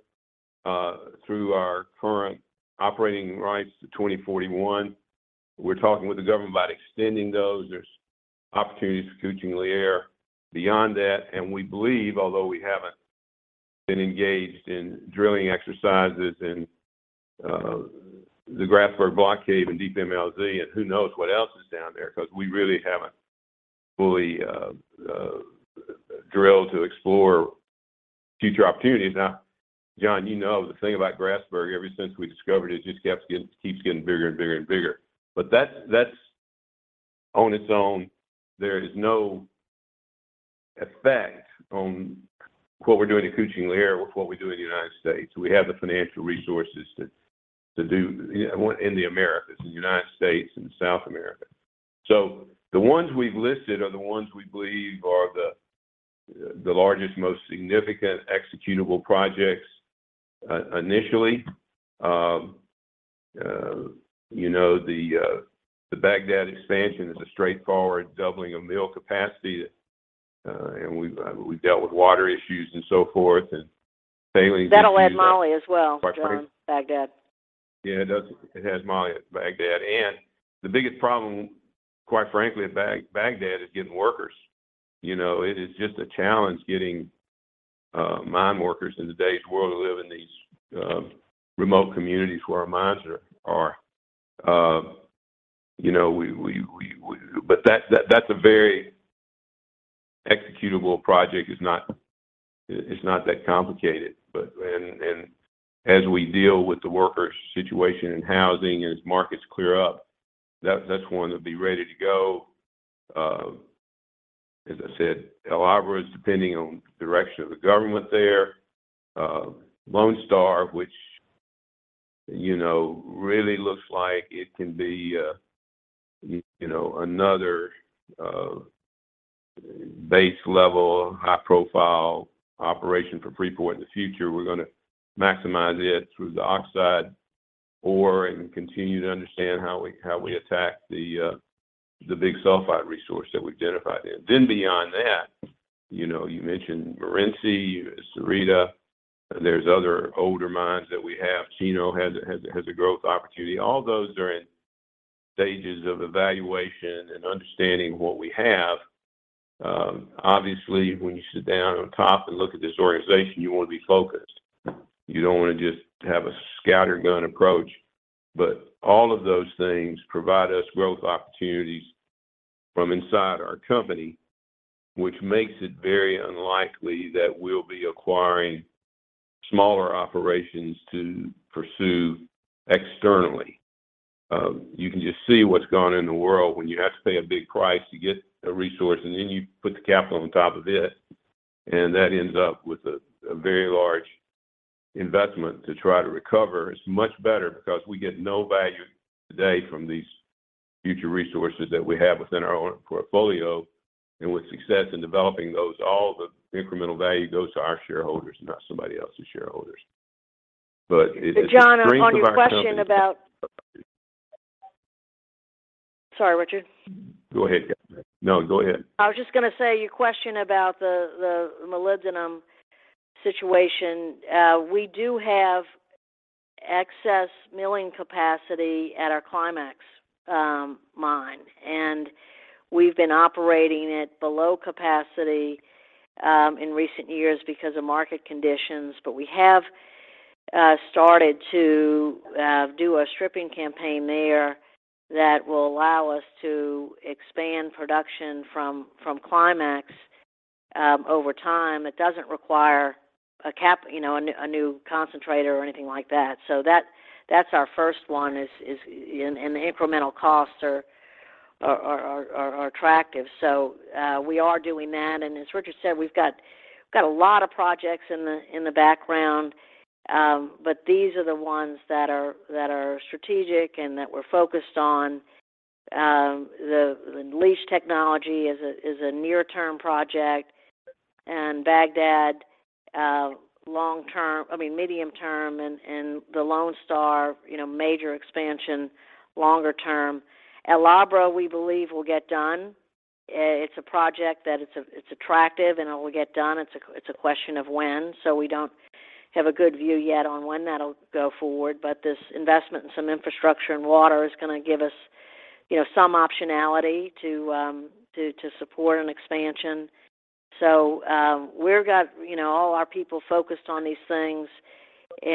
through our current operating rights to 2041. We're talking with the government about extending those. There's opportunities for Kucing Liar beyond that. We believe, although we haven't been engaged in drilling exercises in the Grasberg Block Cave and deep MLZ, and who knows what else is down there, 'cause we really haven't fully drilled to explore future opportunities. John, you know, the thing about Grasberg, ever since we discovered it just keeps getting bigger and bigger and bigger. That's on its own. There is no effect on what we're doing at Kucing Liar with what we do in the United States. We have the financial resources to do in the Americas, in the United States and South America. The ones we've listed are the ones we believe are the largest, most significant executable projects initially. You know, the Bagdad expansion is a straightforward doubling of mill capacity. we've dealt with water issues and so forth. That'll add Moly as well, John, Bagdad. Yeah, it does. It has Moly at Bagdad. The biggest problem, quite frankly, at Bagdad is getting workers. You know, it is just a challenge getting mine workers in today's world who live in these remote communities where our mines are. You know, that's a very executable project. It's not that complicated. As we deal with the workers situation and housing, and as markets clear up, that's one that'll be ready to go. As I said, El Abra is depending on the direction of the government there. Lone Star, which, you know, really looks like it can be, you know, another base level, high-profile operation for Freeport in the future. We're gonna maximize it through the oxide ore and continue to understand how we attack the big sulfide resource that we've identified there. Beyond that, you know, you mentioned Morenci, Sierrita. There's other older mines that we have. Chino has a growth opportunity. All those are in stages of evaluation and understanding what we have. Obviously, when you sit down on top and look at this organization, you wanna be focused. You don't wanna just have a scattergun approach. All of those things provide us growth opportunities from inside our company, which makes it very unlikely that we'll be acquiring smaller operations to pursue externally. You can just see what's going in the world when you have to pay a big price to get a resource, and then you put the capital on top of it, and that ends up with a very large investment to try to recover. It's much better because we get no value today from these future resources that we have within our own portfolio. With success in developing those, all the incremental value goes to our shareholders, not somebody else's shareholders. It's the strength of our company that. John, on your question about... Sorry, Richard. Go ahead, Cathy. No, go ahead. I was just gonna say, your question about the molybdenum situation. We do have excess milling capacity at our Climax mine. We've been operating it below capacity in recent years because of market conditions. We have started to do a stripping campaign there that will allow us to expand production from Climax over time. It doesn't require you know, a new concentrator or anything like that. That's our first one is. The incremental costs are attractive. We are doing that. As Richard said, we've got a lot of projects in the background. These are the ones that are strategic and that we're focused on. The leach technology is a near-term project, and Bagdad, long-term, I mean, medium-term, and the Lone Star, you know, major expansion, longer term. El Abra, we believe will get done. It's a project that it's attractive, and it will get done. It's a question of when. We don't have a good view yet on when that'll go forward. This investment in some infrastructure and water is gonna give us, you know, some optionality to support an expansion. We've got, you know, all our people focused on these things. We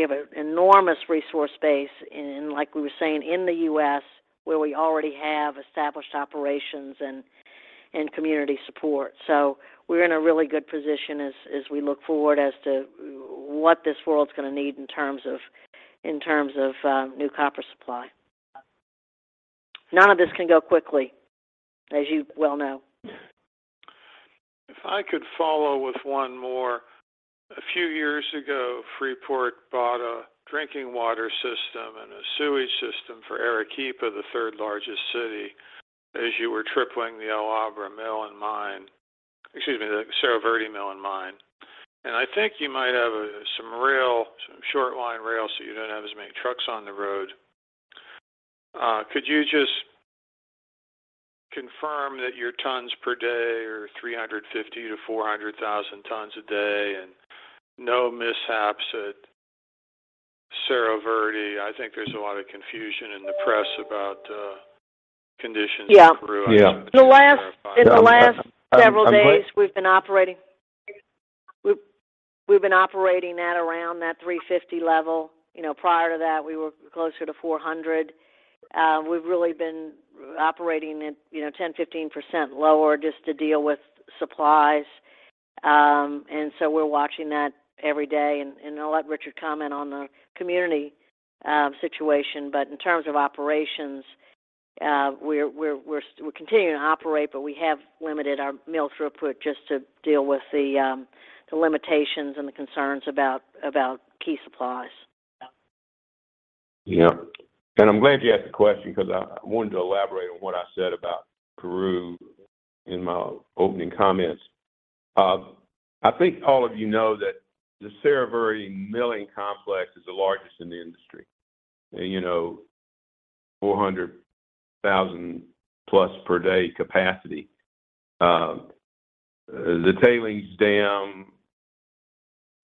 have an enormous resource base in, like we were saying, in the U.S., where we already have established operations and community support. We're in a really good position as we look forward as to what this world's gonna need in terms of new copper supply. None of this can go quickly, as you well know. If I could follow with one more. A few years ago, Freeport bought a drinking water system and a sewage system for Arequipa, the third-largest city, as you were tripling the El Abra mill and mine. Excuse me, the Cerro Verde mill and mine. I think you might have, some rail, some short line rail, so you don't have as many trucks on the road. Could you just confirm that your tons per day are 350,000 to 400,000 tons a day, and no mishaps at Cerro Verde? I think there's a lot of confusion in the press about, conditions in Peru. Yeah. Yeah. The last- No, I'm. In the last several days, we've been operating at around that 350 level. You know, prior to that, we were closer to 400. We've really been operating at, you know, 10%, 15% lower just to deal with supplies. We're watching that every day. I'll let Richard comment on the community situation. In terms of operations, we're continuing to operate, but we have limited our mill throughput just to deal with the limitations and the concerns about key supplies. Yeah. I'm glad you asked the question because I wanted to elaborate on what I said about Peru in my opening comments. I think all of you know that the Cerro Verde milling complex is the largest in the industry. You know, 400,000+ per day capacity. The tailings dam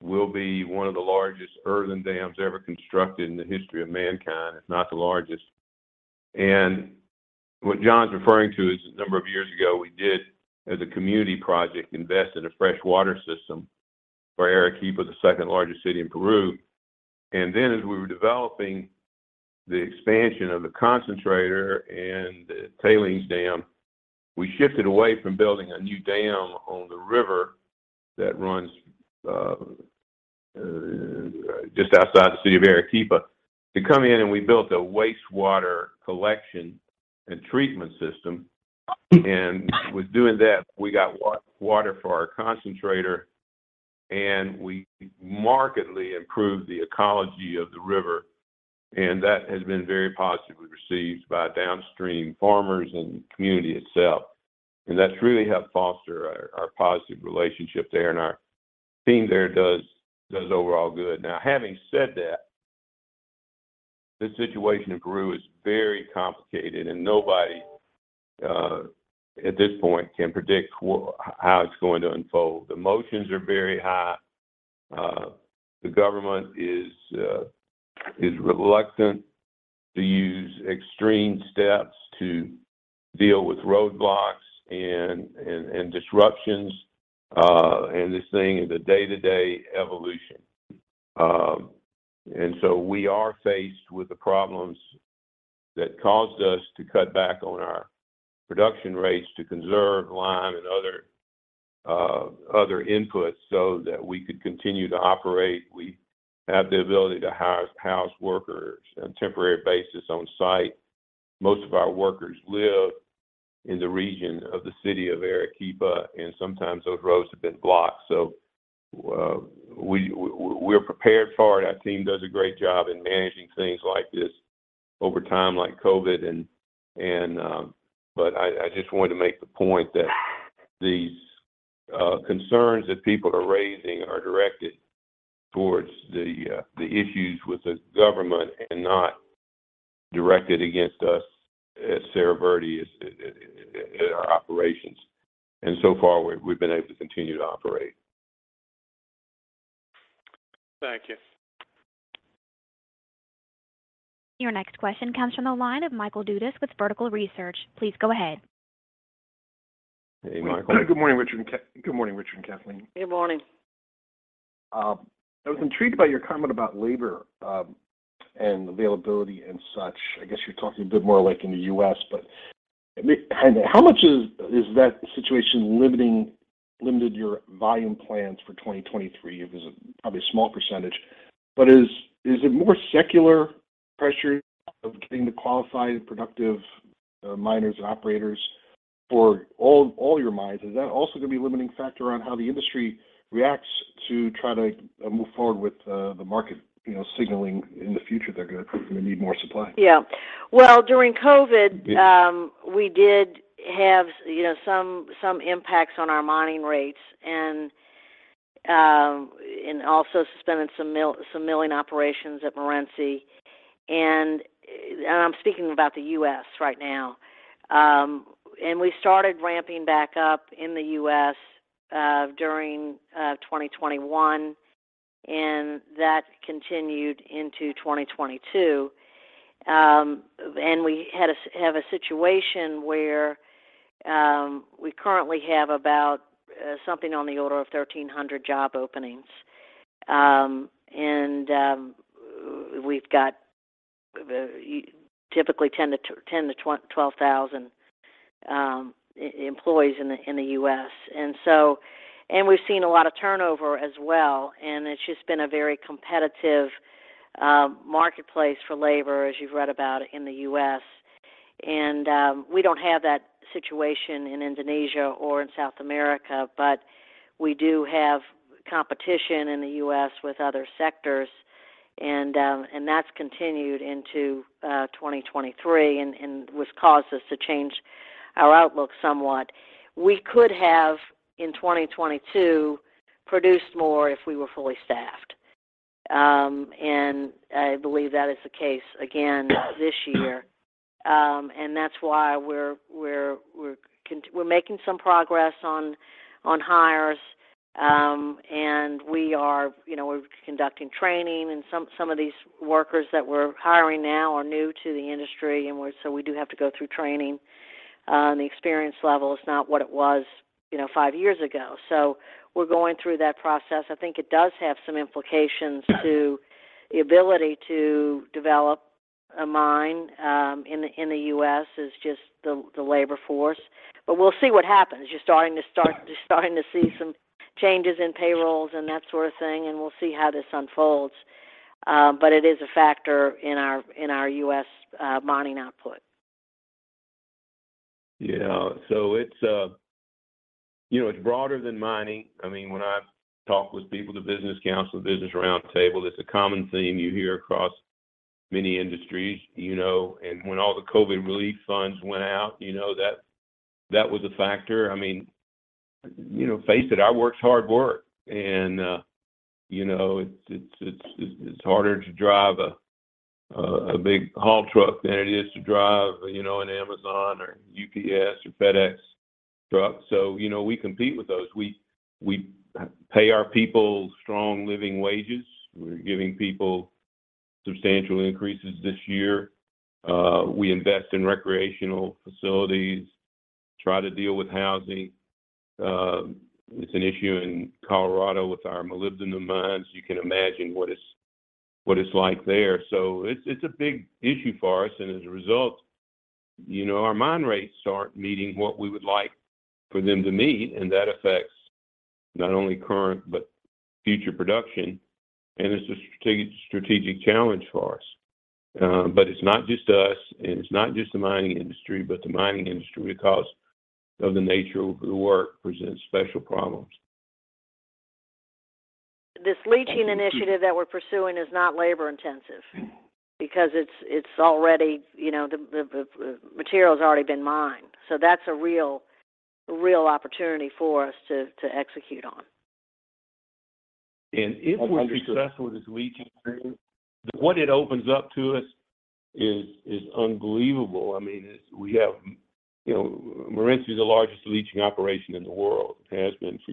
will be one of the largest earthen dams ever constructed in the history of mankind, if not the largest. What John's referring to is a number of years ago, we did, as a community project, invest in a fresh water system for Arequipa, the second-largest city in Peru. As we were developing the expansion of the concentrator and the tailings dam, we shifted away from building a new dam on the river that runs just outside the city of Arequipa to come in, and we built a wastewater collection and treatment system. With doing that, we got water for our concentrator, and we markedly improved the ecology of the river. That has been very positively received by downstream farmers and the community itself. That's really helped foster our positive relationship there, and our team there does overall good. Now, having said that, the situation in Peru is very complicated, and nobody at this point can predict how it's going to unfold. The motions are very high. The government is reluctant to use extreme steps to deal with roadblocks and disruptions. This thing is a day-to-day evolution. We are faced with the problems that caused us to cut back on our production rates to conserve lime and other inputs so that we could continue to operate. We have the ability to house workers on a temporary basis on site. Most of our workers live in the region of the city of Arequipa, and sometimes those roads have been blocked. We, we're prepared for it. Our team does a great job in managing things like this over time, like COVID, but I just wanted to make the point that these concerns that people are raising are directed towards the issues with the government and not directed against us as Cerro Verde as in our operations. So far, we've been able to continue to operate. Thank you. Your next question comes from the line of Michael Dudas with Vertical Research. Please go ahead. Hey, Michael. Good morning, Richard and Kathleen. Good morning. I was intrigued by your comment about labor, and availability and such. I guess you're talking a bit more like in the U.S., and how much is that situation limited your volume plans for 2023? It was probably a small percentage, but is it more secular pressure of getting the qualified, productive miners and operators for all your mines? Is that also gonna be a limiting factor on how the industry reacts to try to move forward with the market, you know, signaling in the future they're gonna need more supply? Yeah. Well, during COVID, we did have, you know, some impacts on our mining rates and also suspending some milling operations at Morenci. I'm speaking about the U.S. right now. We started ramping back up in the U.S. during 2021, and that continued into 2022. We have a situation where we currently have about something on the order of 1,300 job openings. We've got typically 10,000-12,000 employees in the U.S. We've seen a lot of turnover as well, and it's just been a very competitive marketplace for labor, as you've read about in the U.S. We don't have that situation in Indonesia or in South America, but we do have competition in the U.S. with other sectors. That's continued into 2023 and which caused us to change our outlook somewhat. We could have, in 2022, produced more if we were fully staffed. I believe that is the case again this year. That's why we're making some progress on hires. We are, you know, we're conducting training, and some of these workers that we're hiring now are new to the industry, so we do have to go through training. The experience level is not what it was, you know, 5 years ago. We're going through that process. I think it does have some implications to the ability to develop a mine, in the, in the U.S. is just the labor force. We'll see what happens. You're starting to see some changes in payrolls and that sort of thing, and we'll see how this unfolds. It is a factor in our, in our U.S., mining output. Yeah. It's, you know, it's broader than mining. I mean, when I talk with people, the business council, business roundtable, it's a common theme you hear across many industries, you know. When all the COVID relief funds went out, you know, that was a factor. I mean, you know, face it, our work's hard work. It's, you know, it's, it's harder to drive a big haul truck than it is to drive, you know, an Amazon or UPS or FedEx truck. You know, we compete with those. We pay our people strong living wages. We're giving people substantial increases this year. We invest in recreational facilities, try to deal with housing. It's an issue in Colorado with our molybdenum mines. You can imagine what it's, what it's like there. It's, it's a big issue for us. As a result, you know, our mine rates aren't meeting what we would like for them to meet, and that affects not only current, but future production. It's a strategic challenge for us. It's not just us and it's not just the mining industry, but the mining industry, because of the nature of the work, presents special problems. This leaching initiative that we're pursuing is not labor intensive because it's already, you know, the material's already been mined. That's a real opportunity for us to execute on. If we're successful with this leaching program, what it opens up to us is unbelievable. I mean, we have, you know, Morenci is the largest leaching operation in the world, has been for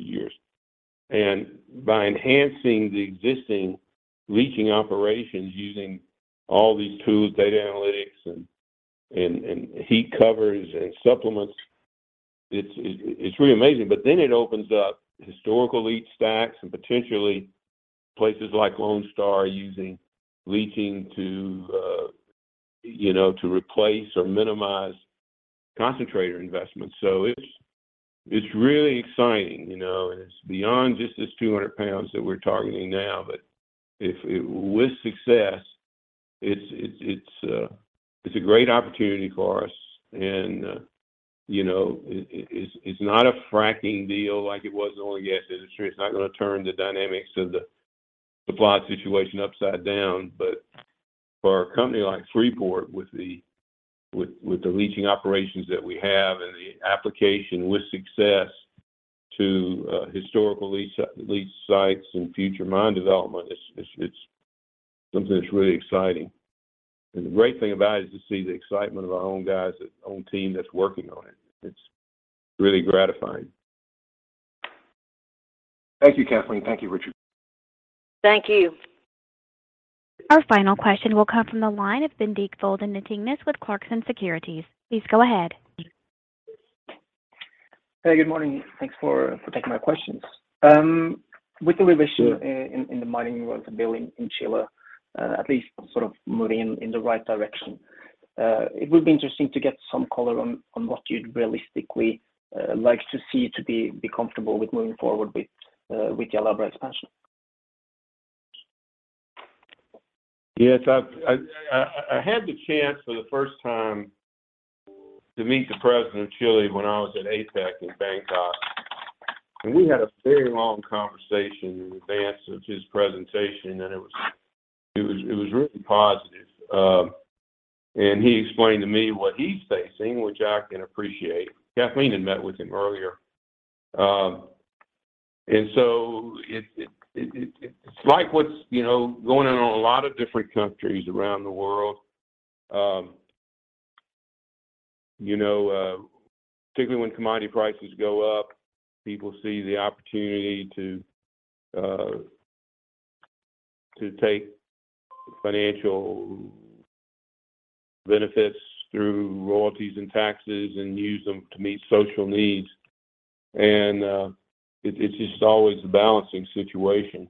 years. By enhancing the existing leaching operations using all these tools, data analytics and heat covers and supplements, it's really amazing. It opens up historical leach stacks and potentially places like Lone Star using leaching to, you know, to replace or minimize concentrator investments. It's really exciting, you know, and it's beyond just this 200 pounds that we're targeting now. With success, it's a great opportunity for us and, you know, it's not a fracking deal like it was in the oil and gas industry. It's not gonna turn the dynamics of the supply situation upside down. For a company like Freeport with the leaching operations that we have and the application with success to historical leach sites and future mine development, it's something that's really exciting. The great thing about it is to see the excitement of our own guys, our own team that's working on it. It's really gratifying. Thank you, Kathleen. Thank you, Richard. Thank you. Our final question will come from the line of Bendik Folden Nyttingnes with Clarksons Securities. Please go ahead. Hey, good morning. Thanks for taking my questions. With the revision in the mining royalty bill in Chile, at least sort of moving in the right direction, it would be interesting to get some color on what you'd realistically like to see to be comfortable with moving forward with your El Abra expansion. Yes. I had the chance for the first time to meet the president of Chile when I was at APEC in Bangkok, we had a very long conversation in advance of his presentation, it was really positive. He explained to me what he's facing, which I can appreciate. Kathleen had met with him earlier. So it's like what's, you know, going on in a lot of different countries around the world. You know, particularly when commodity prices go up, people see the opportunity to take financial benefits through royalties and taxes and use them to meet social needs. It's just always a balancing situation.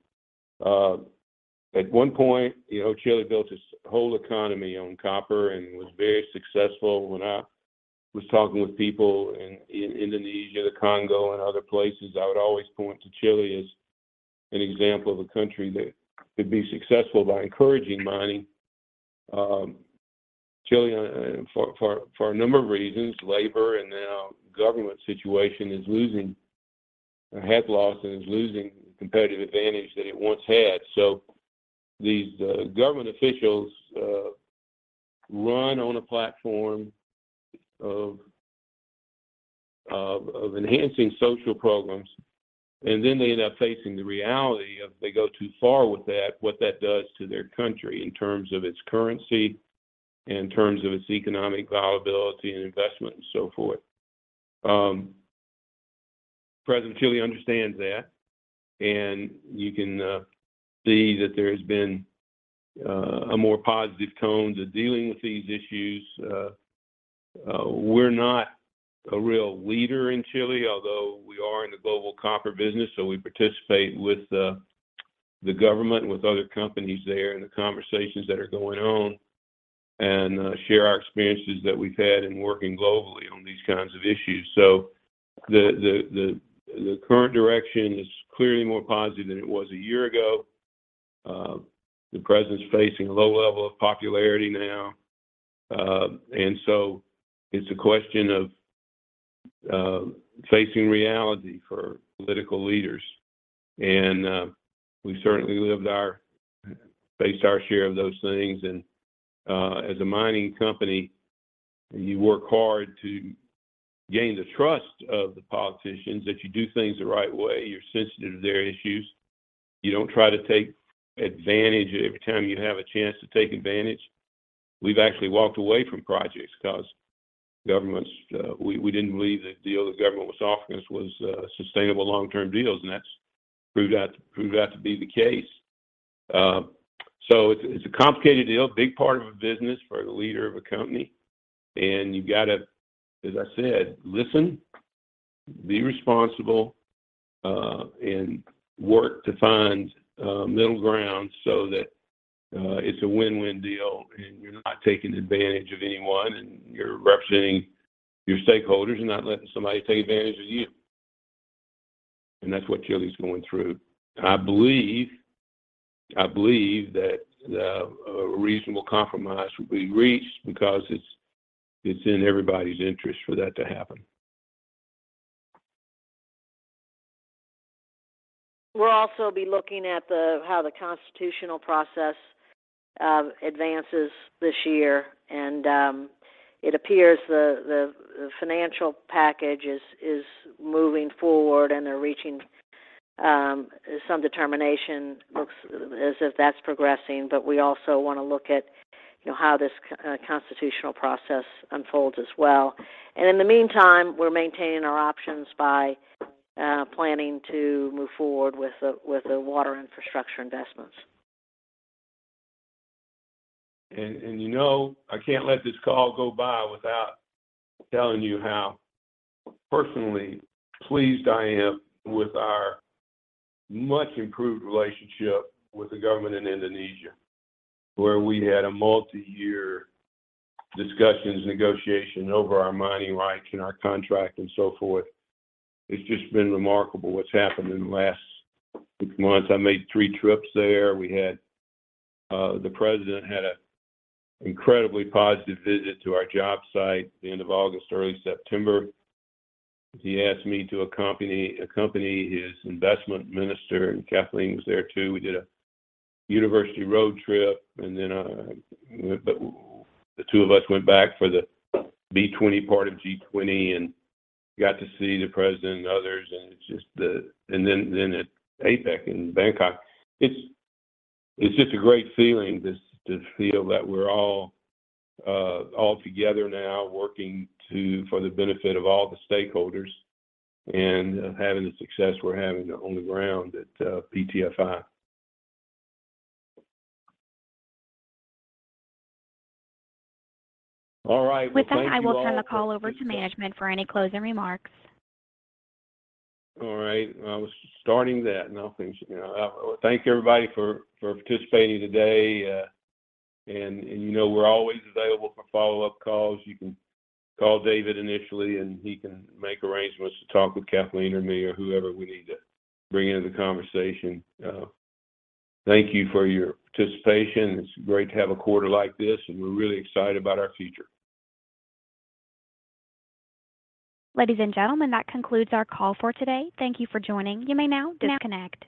At one point, you know, Chile built its whole economy on copper and was very successful. When I was talking with people in Indonesia, the Congo and other places, I would always point to Chile as an example of a country that could be successful by encouraging mining. Chile for a number of reasons, labor and now government situation has lost and is losing competitive advantage that it once had. These government officials run on a platform of enhancing social programs, and then they end up facing the reality of they go too far with that, what that does to their country in terms of its currency, in terms of its economic viability and investment and so forth. President Chile understands that, and you can see that there has been a more positive tone to dealing with these issues. We're not a real leader in Chile, although we are in the global copper business, so we participate with the government and with other companies there and the conversations that are going on. Share our experiences that we've had in working globally on these kinds of issues. The current direction is clearly more positive than it was a year ago. The president's facing a low level of popularity now. It's a question of facing reality for political leaders. We certainly faced our share of those things. As a mining company, you work hard to gain the trust of the politicians, that you do things the right way. You're sensitive to their issues. You don't try to take advantage every time you have a chance to take advantage. We've actually walked away from projects because governments, we didn't believe the deal the government was offering us was sustainable long-term deals, and that's proved out to be the case. So it's a complicated deal, big part of a business for the leader of a company. You've got to, as I said, listen, be responsible, and work to find middle ground so that it's a win-win deal, and you're not taking advantage of anyone, and you're representing your stakeholders and not letting somebody take advantage of you. That's what Chile's going through. I believe that a reasonable compromise will be reached because it's in everybody's interest for that to happen. We'll also be looking at how the constitutional process advances this year. It appears the financial package is moving forward, and they're reaching some determination. Looks as if that's progressing. We also want to look at, you know, how this constitutional process unfolds as well. In the meantime, we're maintaining our options by planning to move forward with the water infrastructure investments. You know, I can't let this call go by without telling you how personally pleased I am with our much improved relationship with the government in Indonesia, where we had a multiyear discussions, negotiation over our mining rights and our contract and so forth. It's just been remarkable what's happened in the last 6 months. I made 3 trips there. We had the president had an incredibly positive visit to our job site the end of August, early September. He asked me to accompany his investment minister, and Kathleen was there, too. We did a university road trip, and then the two of us went back for the B20 part of G20 and got to see the president and others. It's just the. Then at APEC in Bangkok. It's just a great feeling just to feel that we're all all together now working for the benefit of all the stakeholders and having the success we're having on the ground at PTFI. All right. Well, thank you all- With that, I will turn the call over to management for any closing remarks. All right. I was starting that, and I'll finish. Thank everybody for participating today. You know we're always available for follow-up calls. You can call David initially, and he can make arrangements to talk with Kathleen or me or whoever we need to bring into the conversation. Thank you for your participation. It's great to have a quarter like this, and we're really excited about our future. Ladies and gentlemen, that concludes our call for today. Thank you for joining. You may now disconnect.